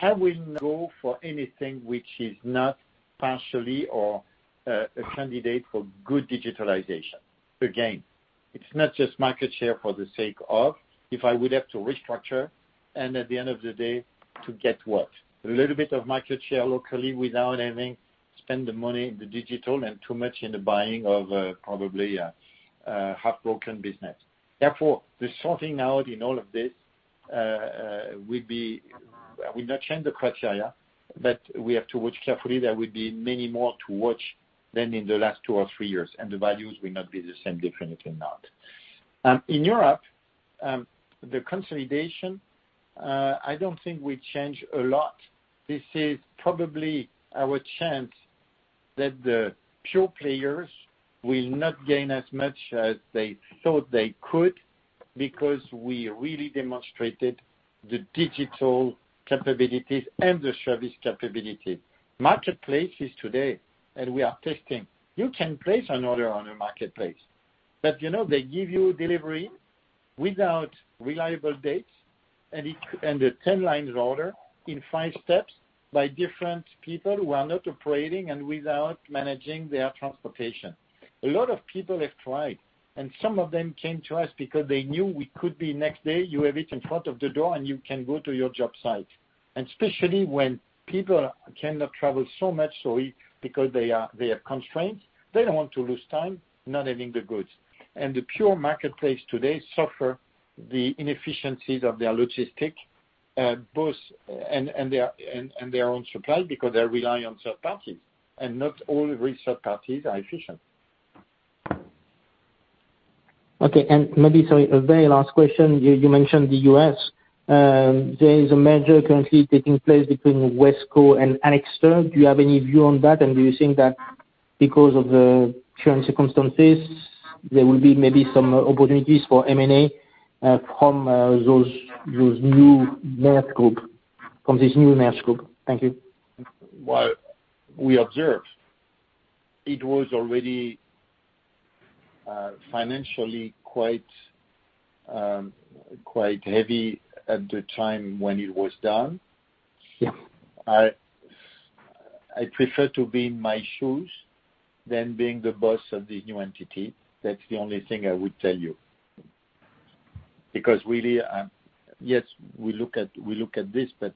I will go for anything which is not partially or a candidate for good digitalization. It's not just market share for the sake of, if I would have to restructure and at the end of the day to get what, a little bit of market share locally without having spend the money in the digital and too much in the buying of probably a half-broken business. The sorting out in all of this will not change the criteria, but we have to watch carefully. There will be many more to watch than in the last two or three years, and the values will not be the same. Definitely not. In Europe, the consolidation, I don't think will change a lot. This is probably our chance that the pure players will not gain as much as they thought they could because we really demonstrated the digital capabilities and the service capability. Marketplace is today, and we are testing. You can place an order on a marketplace. They give you delivery without reliable dates and a 10-lines order in five steps by different people who are not operating and without managing their transportation. A lot of people have tried, and some of them came to us because they knew we could be next day, you have it in front of the door and you can go to your job site. Especially when people cannot travel so much so because they are constrained, they don't want to lose time not having the goods. The pure marketplace today suffers the inefficiencies of their logistics, and their own supply because they rely on third parties, and not all third parties are efficient. Okay. Maybe, sorry, a very last question. You mentioned the U.S. There is a merger currently taking place between WESCO and Anixter. Do you have any view on that? Do you think that because of the current circumstances, there will be maybe some opportunities for M&A from this new merged group? Thank you. What we observed, it was already financially quite heavy at the time when it was done. Yeah. I prefer to be in my shoes than being the boss of the new entity. That's the only thing I would tell you. Really, yes, we look at this, but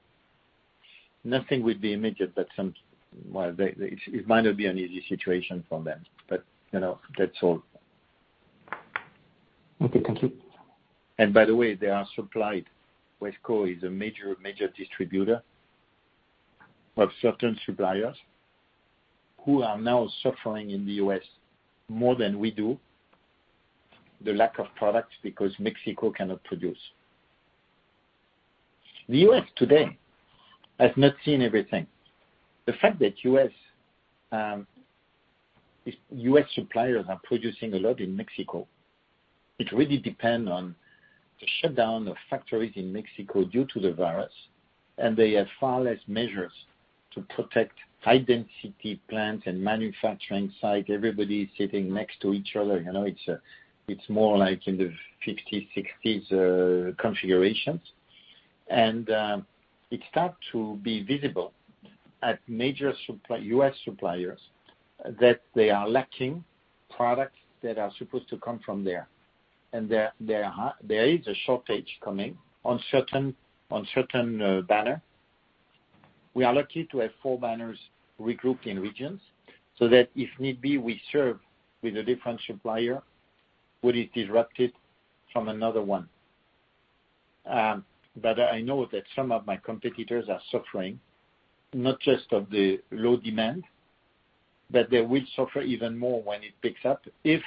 nothing will be immediate. It might not be an easy situation for them. That's all. Okay. Thank you. By the way, they are supplied. WESCO is a major distributor of certain suppliers who are now suffering in the U.S. more than we do the lack of products because Mexico cannot produce. The U.S. today has not seen everything. The fact that U.S. suppliers are producing a lot in Mexico, it really depend on the shutdown of factories in Mexico due to the virus, and they have far less measures to protect high-density plants and manufacturing site. Everybody is sitting next to each other. It's more like in the 50s, 60s configurations. It start to be visible at major U.S. suppliers that they are lacking products that are supposed to come from there. There is a shortage coming on certain banner. We are lucky to have four banners regrouped in regions, so that if need be, we serve with a different supplier, what is disrupted from another one. I know that some of my competitors are suffering, not just of the low demand, but they will suffer even more when it picks up if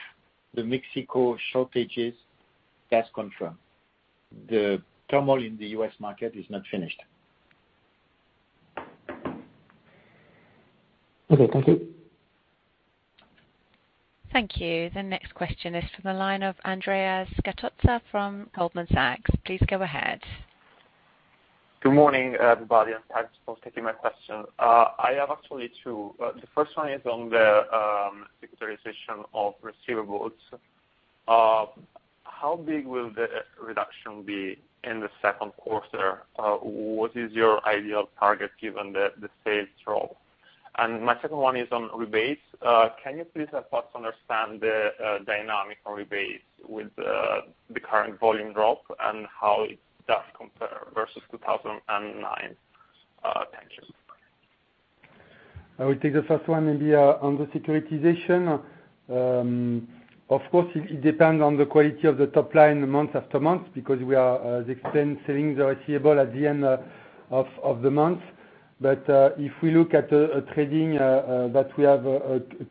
the Mexico shortages gets confirmed. The turmoil in the U.S. market is not finished. Okay. Thank you. Thank you. The next question is from the line of Andrea Scatozza from Goldman Sachs. Please go ahead. Good morning, everybody, and thanks for taking my question. I have actually two. The first one is on the securitization of receivables. How big will the reduction be in the second quarter? What is your ideal target given the sales drop? My second one is on rebates. Can you please help us understand the dynamic on rebates with the current volume drop and how it does compare versus 2009? Thank you. I will take the first one maybe on the securitization. Of course, it depends on the quality of the top line month after month because we are, as explained, selling the receivable at the end of the month. If we look at the trading that we have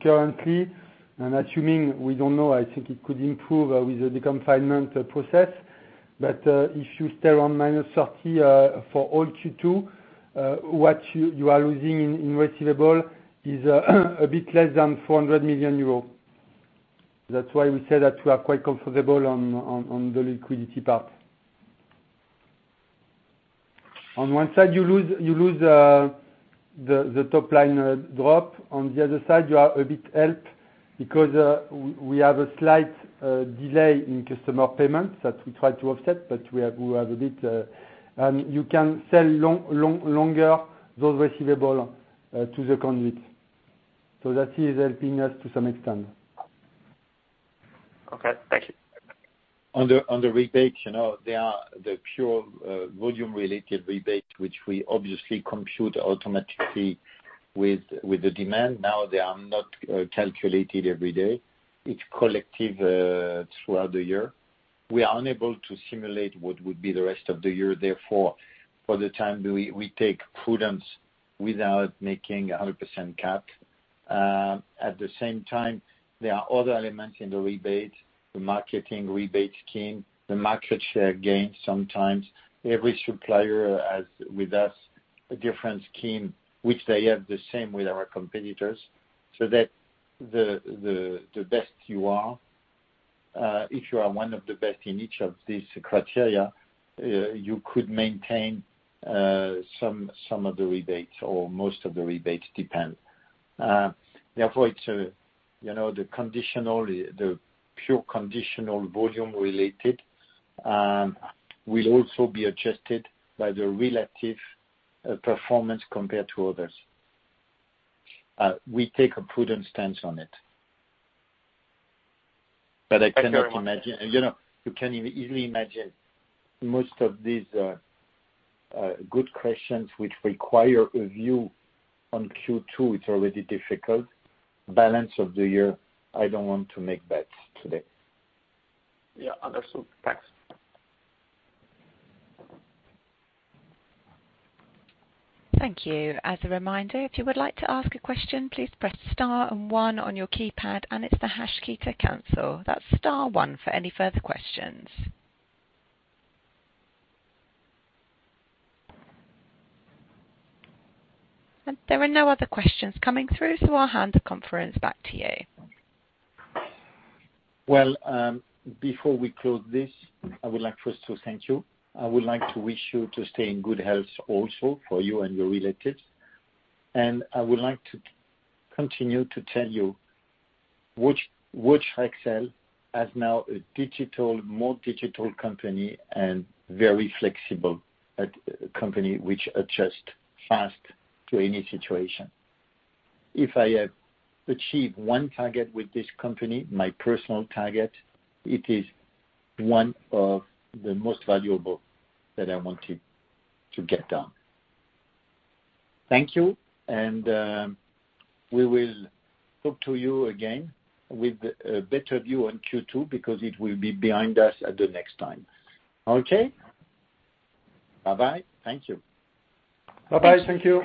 currently, and assuming we don't know, I think it could improve with the deconfinement process. If you stay on -30 for all Q2, what you are losing in receivable is a bit less than 400 million euros. That's why we say that we are quite comfortable on the liquidity part. On one side, you lose the top line drop. On the other side, you are a bit helped because we have a slight delay in customer payments that we try to offset, but you can sell longer those receivables to the conduit. That is helping us to some extent. Okay, thank you. On the rebates, there are the pure volume-related rebates, which we obviously compute automatically with the demand. They are not calculated every day. It's collective throughout the year. We are unable to simulate what would be the rest of the year. For the time, we take prudence without making 100% cap. At the same time, there are other elements in the rebate, the marketing rebate scheme, the market share gains sometimes. Every supplier has, with us, a different scheme, which they have the same with our competitors, so that the best you are, if you are one of the best in each of these criteria, you could maintain some of the rebates or most of the rebates. The pure conditional volume related will also be adjusted by the relative performance compared to others. We take a prudent stance on it. Thank you very much. You can easily imagine most of these are good questions, which require a view on Q2. It's already difficult. Balance of the year, I don't want to make bets today. Yeah, understood. Thanks. Thank you. As a reminder, if you would like to ask a question, please press star and one on your keypad, it's the hash key to cancel. That's star one for any further questions. There are no other questions coming through, so I'll hand the conference back to you. Well, before we close this, I would like first to thank you. I would like to wish you to stay in good health also for you and your relatives. I would like to continue to tell you which Rexel is now a more digital company and very flexible company, which adjusts fast to any situation. If I achieve one target with this company, my personal target, it is one of the most valuable that I want to get done. Thank you, and we will talk to you again with a better view on Q2 because it will be behind us at the next time. Okay. Bye-bye. Thank you. Bye-bye. Thank you.